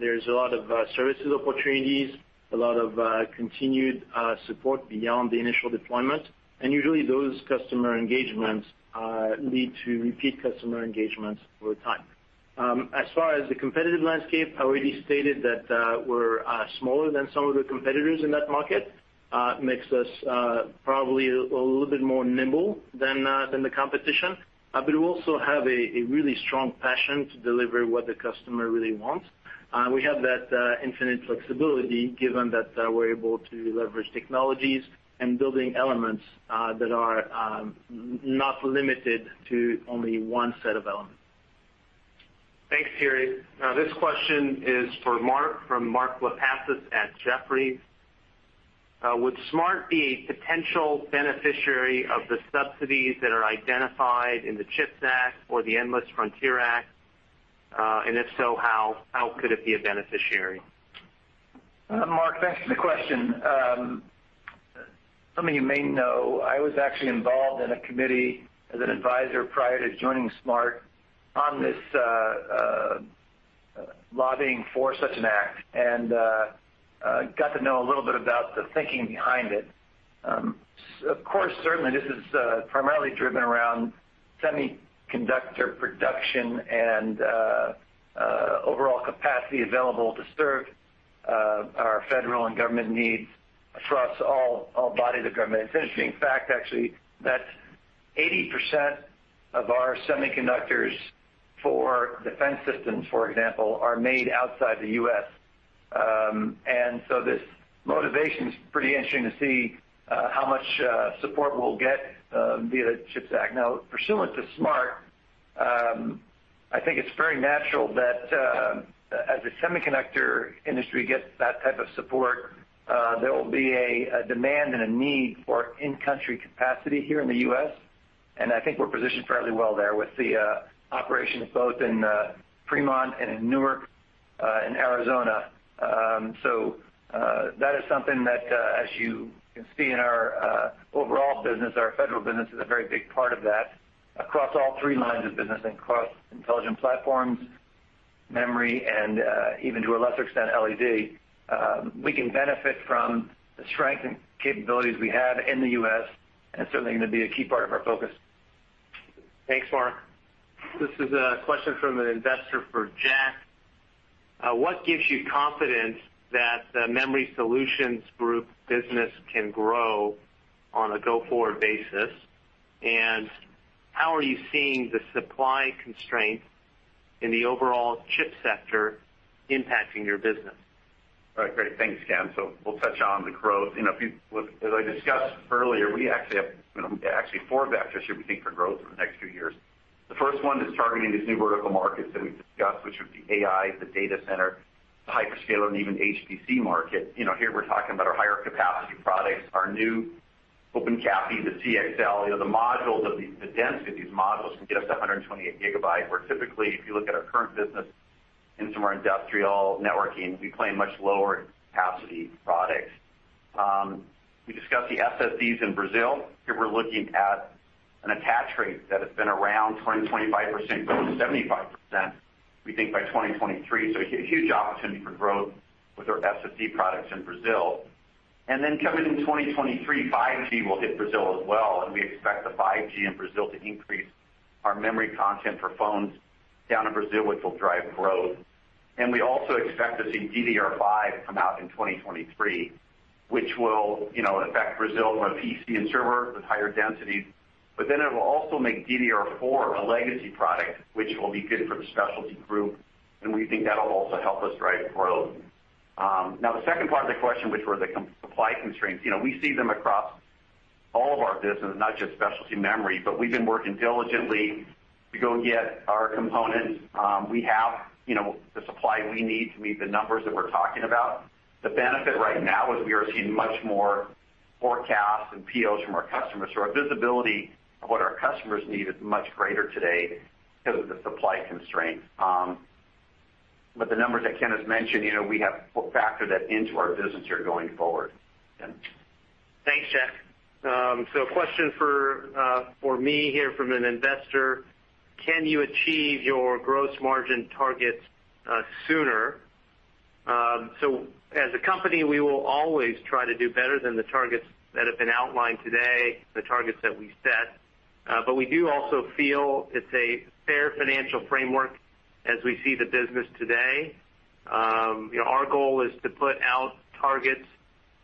There's a lot of services opportunities, a lot of continued support beyond the initial deployment, and usually those customer engagements lead to repeat customer engagements over time. As far as the competitive landscape, I already stated that we're smaller than some of the competitors in that market. Makes us probably a little bit more nimble than the competition. We also have a really strong passion to deliver what the customer really wants. We have that infinite flexibility given that we're able to leverage technologies and building elements that are not limited to only one set of elements.
Thanks, Thierry. Now this question is for Mark, from Mark Lipacis at Jefferies. Would SMART be a potential beneficiary of the subsidies that are identified in the CHIPS Act or the Endless Frontier Act? If so, how could it be a beneficiary?
Mark, thanks for the question. Some of you may know, I was actually involved in a committee as an advisor prior to joining SMART on this lobbying for such an act and got to know a little bit about the thinking behind it. Of course, certainly this is primarily driven around semiconductor production and overall capacity available to serve our federal and government needs across all bodies of government. It's an interesting fact, actually, that 80% of our semiconductors for defense systems, for example, are made outside the U.S. This motivation is pretty interesting to see how much support we'll get via the CHIPS Act. Now, pursuant to SMART, I think it's very natural that as the semiconductor industry gets that type of support, there will be a demand and a need for in-country capacity here in the U.S., and I think we're positioned fairly well there with the operations both in Fremont and in Newark and Arizona. That is something that, as you can see in our overall business, our federal business is a very big part of that across all three lines of business, across Intelligent Platform Solutions, Memory Solutions, and even to a lesser extent, LED. We can benefit from the strength and capabilities we have in the U.S. and certainly going to be a key part of our focus.
Thanks, Mark. This is a question from an investor for Jack. What gives you confidence that the Memory Solutions Group business can grow on a go-forward basis? How are you seeing the supply constraints in the overall chip sector impacting your business?
All right. Great. Thanks, Ken. We'll touch on the growth. As I discussed earlier, we actually have four vectors here we think for growth over the next few years. The first one is targeting these new vertical markets that we've discussed, which would be AI, the data center, hyperscaler, and even HPC market. Here we're talking about our higher capacity products, our new OpenCAPI, the CXL, the modules, the density of these modules can get us to 128 GB, where typically, if you look at our current business in some of our industrial networking, we play in much lower capacity products. We discussed the SSDs in Brazil. Here we're looking at an attach rate that has been around 20%, 25%, growing to 75%, we think, by 2023. A huge opportunity for growth with our SSD products in Brazil. Coming in 2023, 5G will hit Brazil as well, and we expect the 5G in Brazil to increase our memory content for phones down in Brazil, which will drive growth. We also expect to see DDR5 come out in 2023, which will affect Brazil more PC and server with higher densities. It will also make DDR4 a legacy product, which will be good for the specialty group, and we think that'll also help us drive growth. The second part of the question, which were the supply constraints, we see them across all of our business, not just specialty memory, but we've been working diligently to go get our components. We have the supply we need to meet the numbers that we're talking about. The benefit right now is we are seeing much more forecasts and POs from our customers. Our visibility of what our customers need is much greater today because of the supply constraints. The numbers that Ken has mentioned, we have factored that into our business here going forward, Ken.
Thanks, Jack. A question for me here from an investor, can you achieve your gross margin targets sooner? As a company, we will always try to do better than the targets that have been outlined today, the targets that we set. We do also feel it's a fair financial framework as we see the business today. Our goal is to put out targets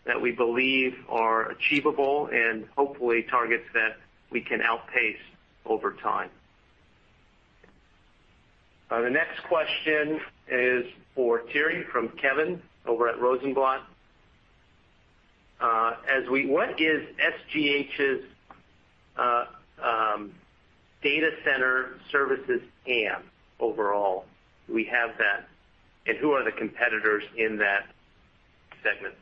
that we believe are achievable and hopefully targets that we can outpace over time. The next question is for Thierry from Kevin over at Rosenblatt. What is SGH's data center services TAM overall? Do we have that, and who are the competitors in that segment?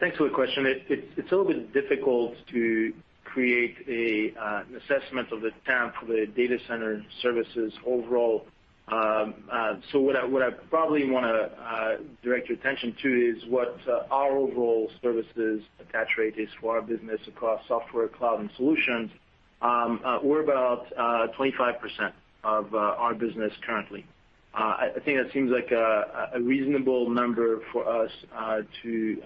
Thanks for the question. It's a little bit difficult to create an assessment of the TAM for the data center services overall. What I probably want to direct your attention to is what our overall services attach rate is for our business across software, cloud, and solutions. We're about 25% of our business currently. I think that seems like a reasonable number for us to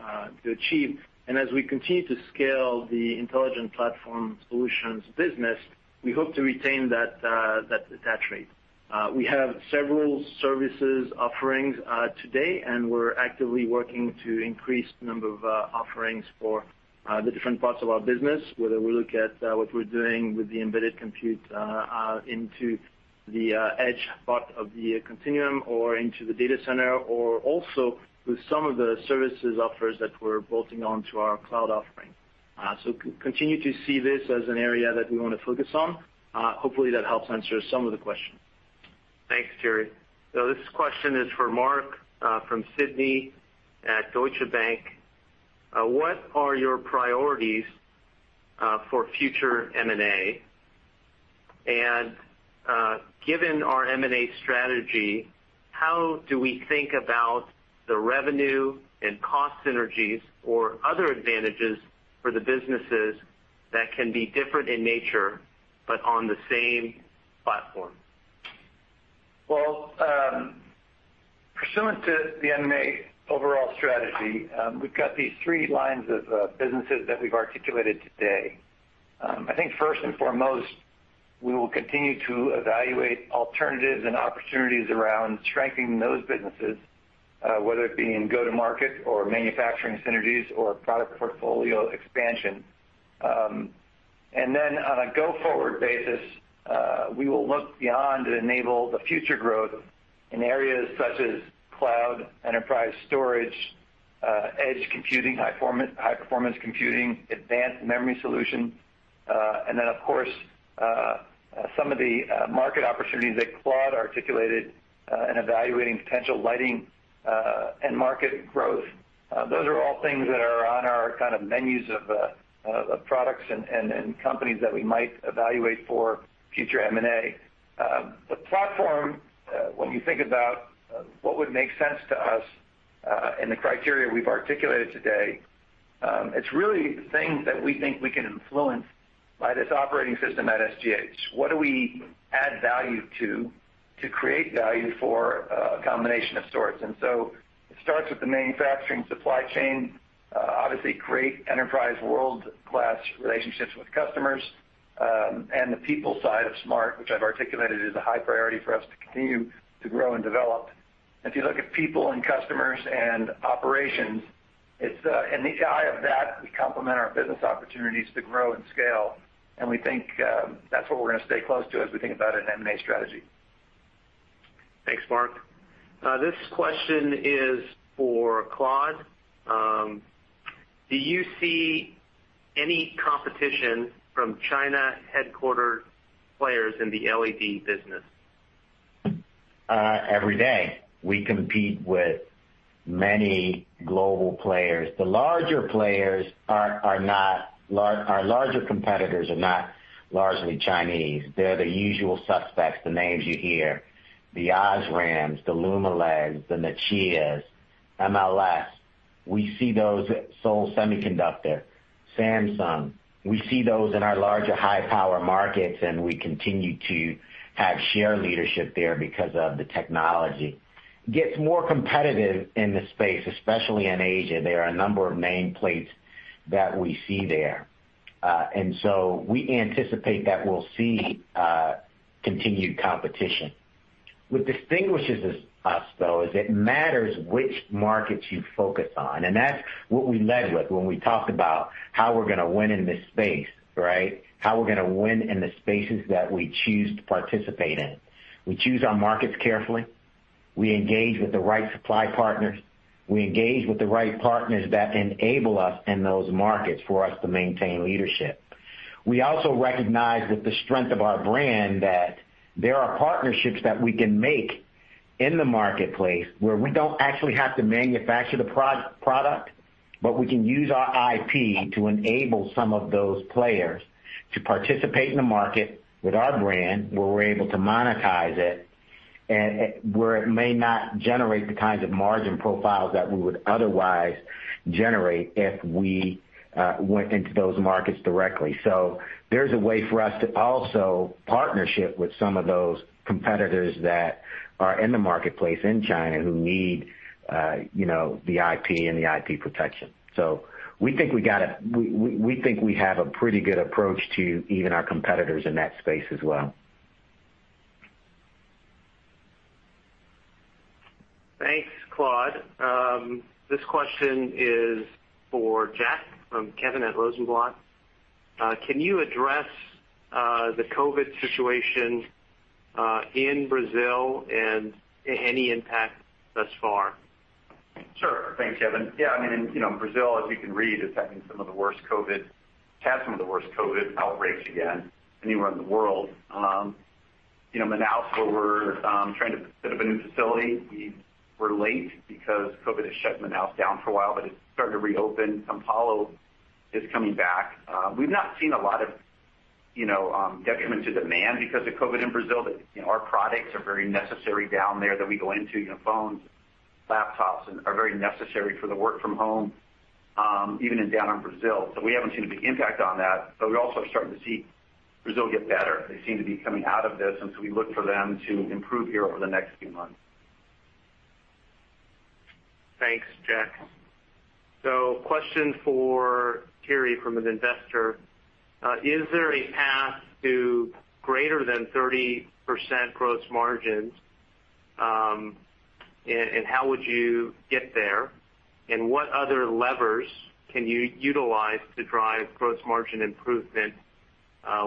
achieve. As we continue to scale the Intelligent Platform Solutions business, we hope to retain that attach rate. We have several services offerings today, and we're actively working to increase the number of offerings for the different parts of our business, whether we look at what we're doing with the embedded compute into the edge part of the continuum or into the data center or also with some of the services offers that we're bolting onto our cloud offering. continue to see this as an area that we want to focus on. Hopefully, that helps answer some of the question.
Thanks, Thierry. This question is for Mark from Sidney at Deutsche Bank. What are your priorities for future M&A? Given our M&A strategy, how do we think about the revenue and cost synergies or other advantages for the businesses that can be different in nature, but on the same platform?
Well, pursuant to the M&A overall strategy, we've got these three lines of businesses that we've articulated today. I think first and foremost, we will continue to evaluate alternatives and opportunities around strengthening those businesses, whether it be in go-to-market or manufacturing synergies or product portfolio expansion. Then on a go-forward basis, we will look beyond to enable the future growth in areas such as cloud, enterprise storage, edge computing, high-performance computing, advanced memory solution, and then, of course, some of the market opportunities that Claude articulated in evaluating potential lighting and market growth. Those are all things that are on our kind of menus of products and companies that we might evaluate for future M&A. The platform, when you think about what would make sense to us and the criteria we've articulated today, it's really things that we think we can influence by this operating system at SGH. What do we add value to create value for a combination of sorts? It starts with the manufacturing supply chain, obviously great enterprise world-class relationships with customers, and the people side of SMART, which I've articulated is a high priority for us to continue to grow and develop. If you look at people and customers and operations, in the eye of that, we complement our business opportunities to grow and scale, and we think that's what we're going to stay close to as we think about an M&A strategy.
Thanks, Mark. This question is for Claude. Do you see any competition from China-headquartered players in the LED business?
Every day. We compete with many global players. Our larger competitors are not largely Chinese. They're the usual suspects, the names you hear, the Osram, the Lumileds, the Nichia, MLS. We see those Seoul Semiconductor, Samsung. We see those in our larger high-power markets, and we continue to have share leadership there because of the technology. Gets more competitive in the space, especially in Asia. There are a number of nameplates that we see there. We anticipate that we'll see continued competition. What distinguishes us, though, is it matters which markets you focus on, and that's what we led with when we talked about how we're going to win in this space, right? How we're going to win in the spaces that we choose to participate in. We choose our markets carefully. We engage with the right supply partners. We engage with the right partners that enable us in those markets for us to maintain leadership. We also recognize with the strength of our brand that there are partnerships that we can make in the marketplace where we don't actually have to manufacture the product, but we can use our IP to enable some of those players to participate in the market with our brand, where we're able to monetize it, where it may not generate the kinds of margin profiles that we would otherwise generate if we went into those markets directly. There's a way for us to also partnership with some of those competitors that are in the marketplace in China who need the IP and the IP protection. We think we have a pretty good approach to even our competitors in that space as well.
Thanks, Claude. This question is for Jack from Kevin at Rosenblatt. Can you address the COVID situation in Brazil and any impact thus far?
Sure. Thanks, Kevin. Yeah, Brazil, as you can read, had some of the worst COVID outbreaks again anywhere in the world. Manaus, where we're trying to set up a new facility, we're late because COVID has shut Manaus down for a while, but it's starting to reopen. São Paulo is coming back. We've not seen a lot of detriment to demand because of COVID in Brazil, but our products are very necessary down there that we go into. Phones, laptops, are very necessary for the work from home, even down in Brazil. We haven't seen a big impact on that. We're also starting to see Brazil get better. They seem to be coming out of this, we look for them to improve here over the next few months.
Thanks, Jack. Question for Thierry from an investor. Is there a path to greater than 30% gross margins? How would you get there? What other levers can you utilize to drive gross margin improvement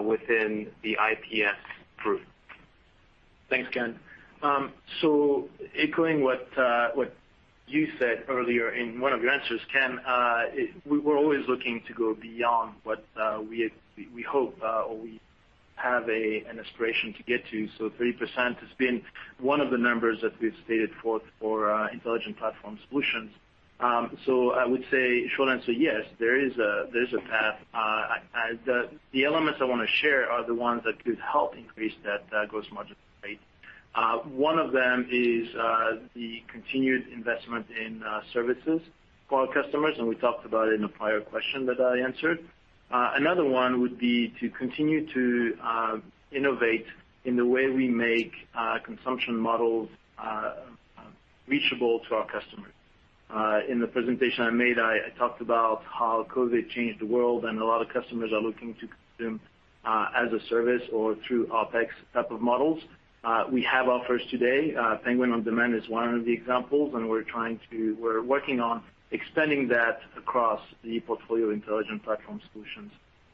within the IPS group?
Thanks, Ken. Echoing what you said earlier in one of your answers, Ken, we were always looking to go beyond what we hope or we have an aspiration to get to. 3% has been one of the numbers that we've stated for our Intelligent Platform Solutions. I would say short answer, yes, there is a path. The elements I want to share are the ones that could help increase that gross margin rate. One of them is the continued investment in services for our customers, and we talked about it in a prior question that I answered. Another one would be to continue to innovate in the way we make consumption models reachable to our customers. In the presentation I made, I talked about how COVID changed the world, and a lot of customers are looking to consume as a service or through OpEx type of models. We have offers today. Penguin On-Demand is one of the examples, and we're working on extending that across the portfolio Intelligent Platform Solutions.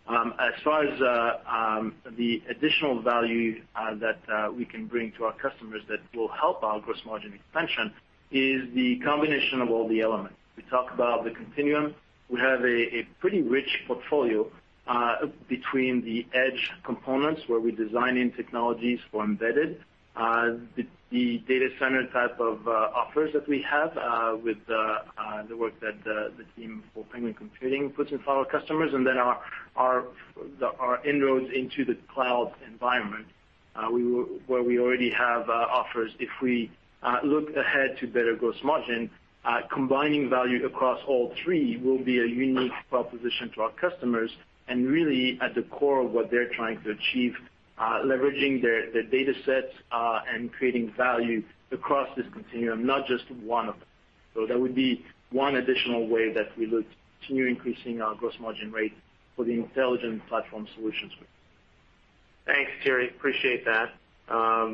As far as the additional value that we can bring to our customers that will help our gross margin expansion is the combination of all the elements. We talk about the continuum. We have a pretty rich portfolio between the edge components, where we're designing technologies for embedded, the data center type of offers that we have with the work that the team for Penguin Computing puts in for our customers, and then our inroads into the cloud environment, where we already have offers. If we look ahead to better gross margin, combining value across all three will be a unique proposition to our customers, and really at the core of what they're trying to achieve, leveraging their datasets, and creating value across this continuum, not just one of them. That would be one additional way that we look to continue increasing our gross margin rate for the Intelligent Platform Solutions Group.
Thanks, Thierry. Appreciate that. For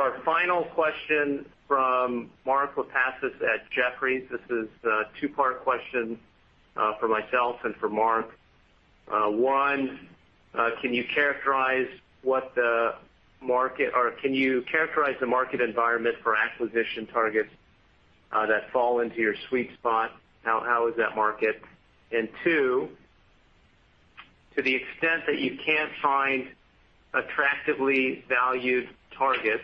our final question from Mark Lipacis at Jefferies, this is a two-part question for myself and for Mark. One, can you characterize the market environment for acquisition targets that fall into your sweet spot? How is that market? Two, to the extent that you can't find attractively valued targets,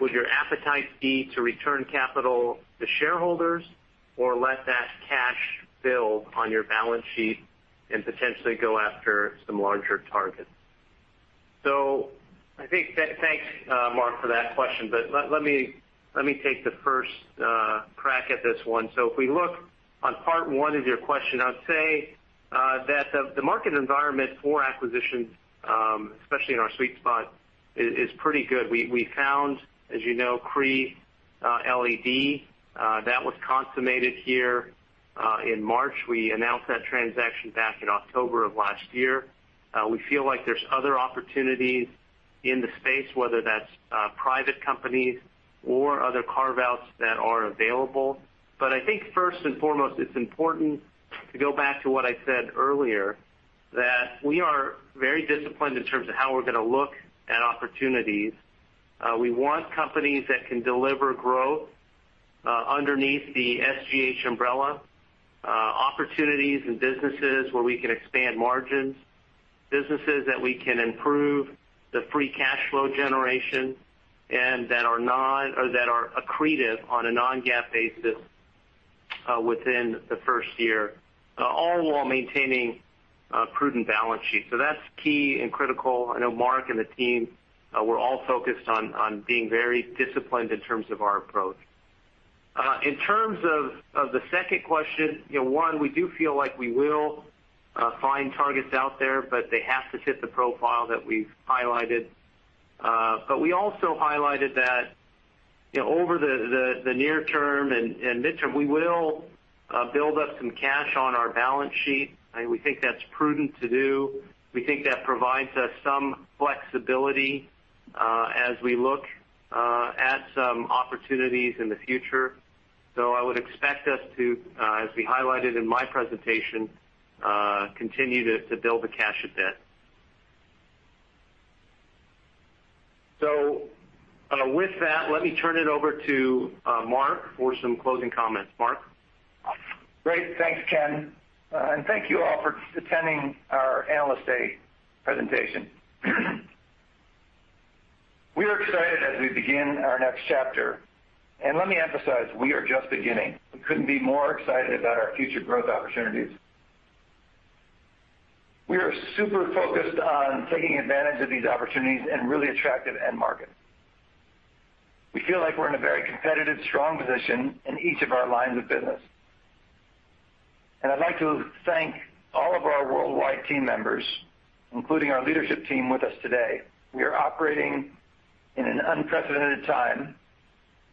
would your appetite be to return capital to shareholders or let that cash build on your balance sheet and potentially go after some larger targets? I think, thanks, Mark, for that question, but let me take the first crack at this one. If we look on part one of your question, I'd say that the market environment for acquisitions, especially in our sweet spot, is pretty good. We found, as you know, Cree LED. That was consummated here in March. We announced that transaction back in October of last year. We feel like there's other opportunities in the space, whether that's private companies or other carve-outs that are available. I think first and foremost, it's important to go back to what I said earlier, that we are very disciplined in terms of how we're going to look at opportunities. We want companies that can deliver growth underneath the SGH umbrella, opportunities and businesses where we can expand margins, businesses that we can improve the free cash flow generation, and that are accretive on a non-GAAP basis within the first year, all while maintaining a prudent balance sheet. That's key and critical. I know Mark and the team, we're all focused on being very disciplined in terms of our approach. In terms of the second question, one, we do feel like we will find targets out there, but they have to fit the profile that we've highlighted. We also highlighted that over the near term and midterm, we will build up some cash on our balance sheet, and we think that's prudent to do. We think that provides us some flexibility as we look at some opportunities in the future. I would expect us to, as we highlighted in my presentation, continue to build the cash a bit. With that, let me turn it over to Mark for some closing comments. Mark?
Great. Thanks, Ken. Thank you all for attending our Analyst Day presentation. We are excited as we begin our next chapter. Let me emphasize, we are just beginning. We couldn't be more excited about our future growth opportunities. We are super focused on taking advantage of these opportunities in really attractive end markets. We feel like we're in a very competitive, strong position in each of our lines of business. I'd like to thank all of our worldwide team members, including our leadership team with us today. We are operating in an unprecedented time,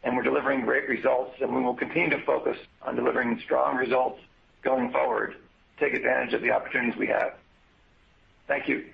and we're delivering great results, and we will continue to focus on delivering strong results going forward to take advantage of the opportunities we have. Thank you.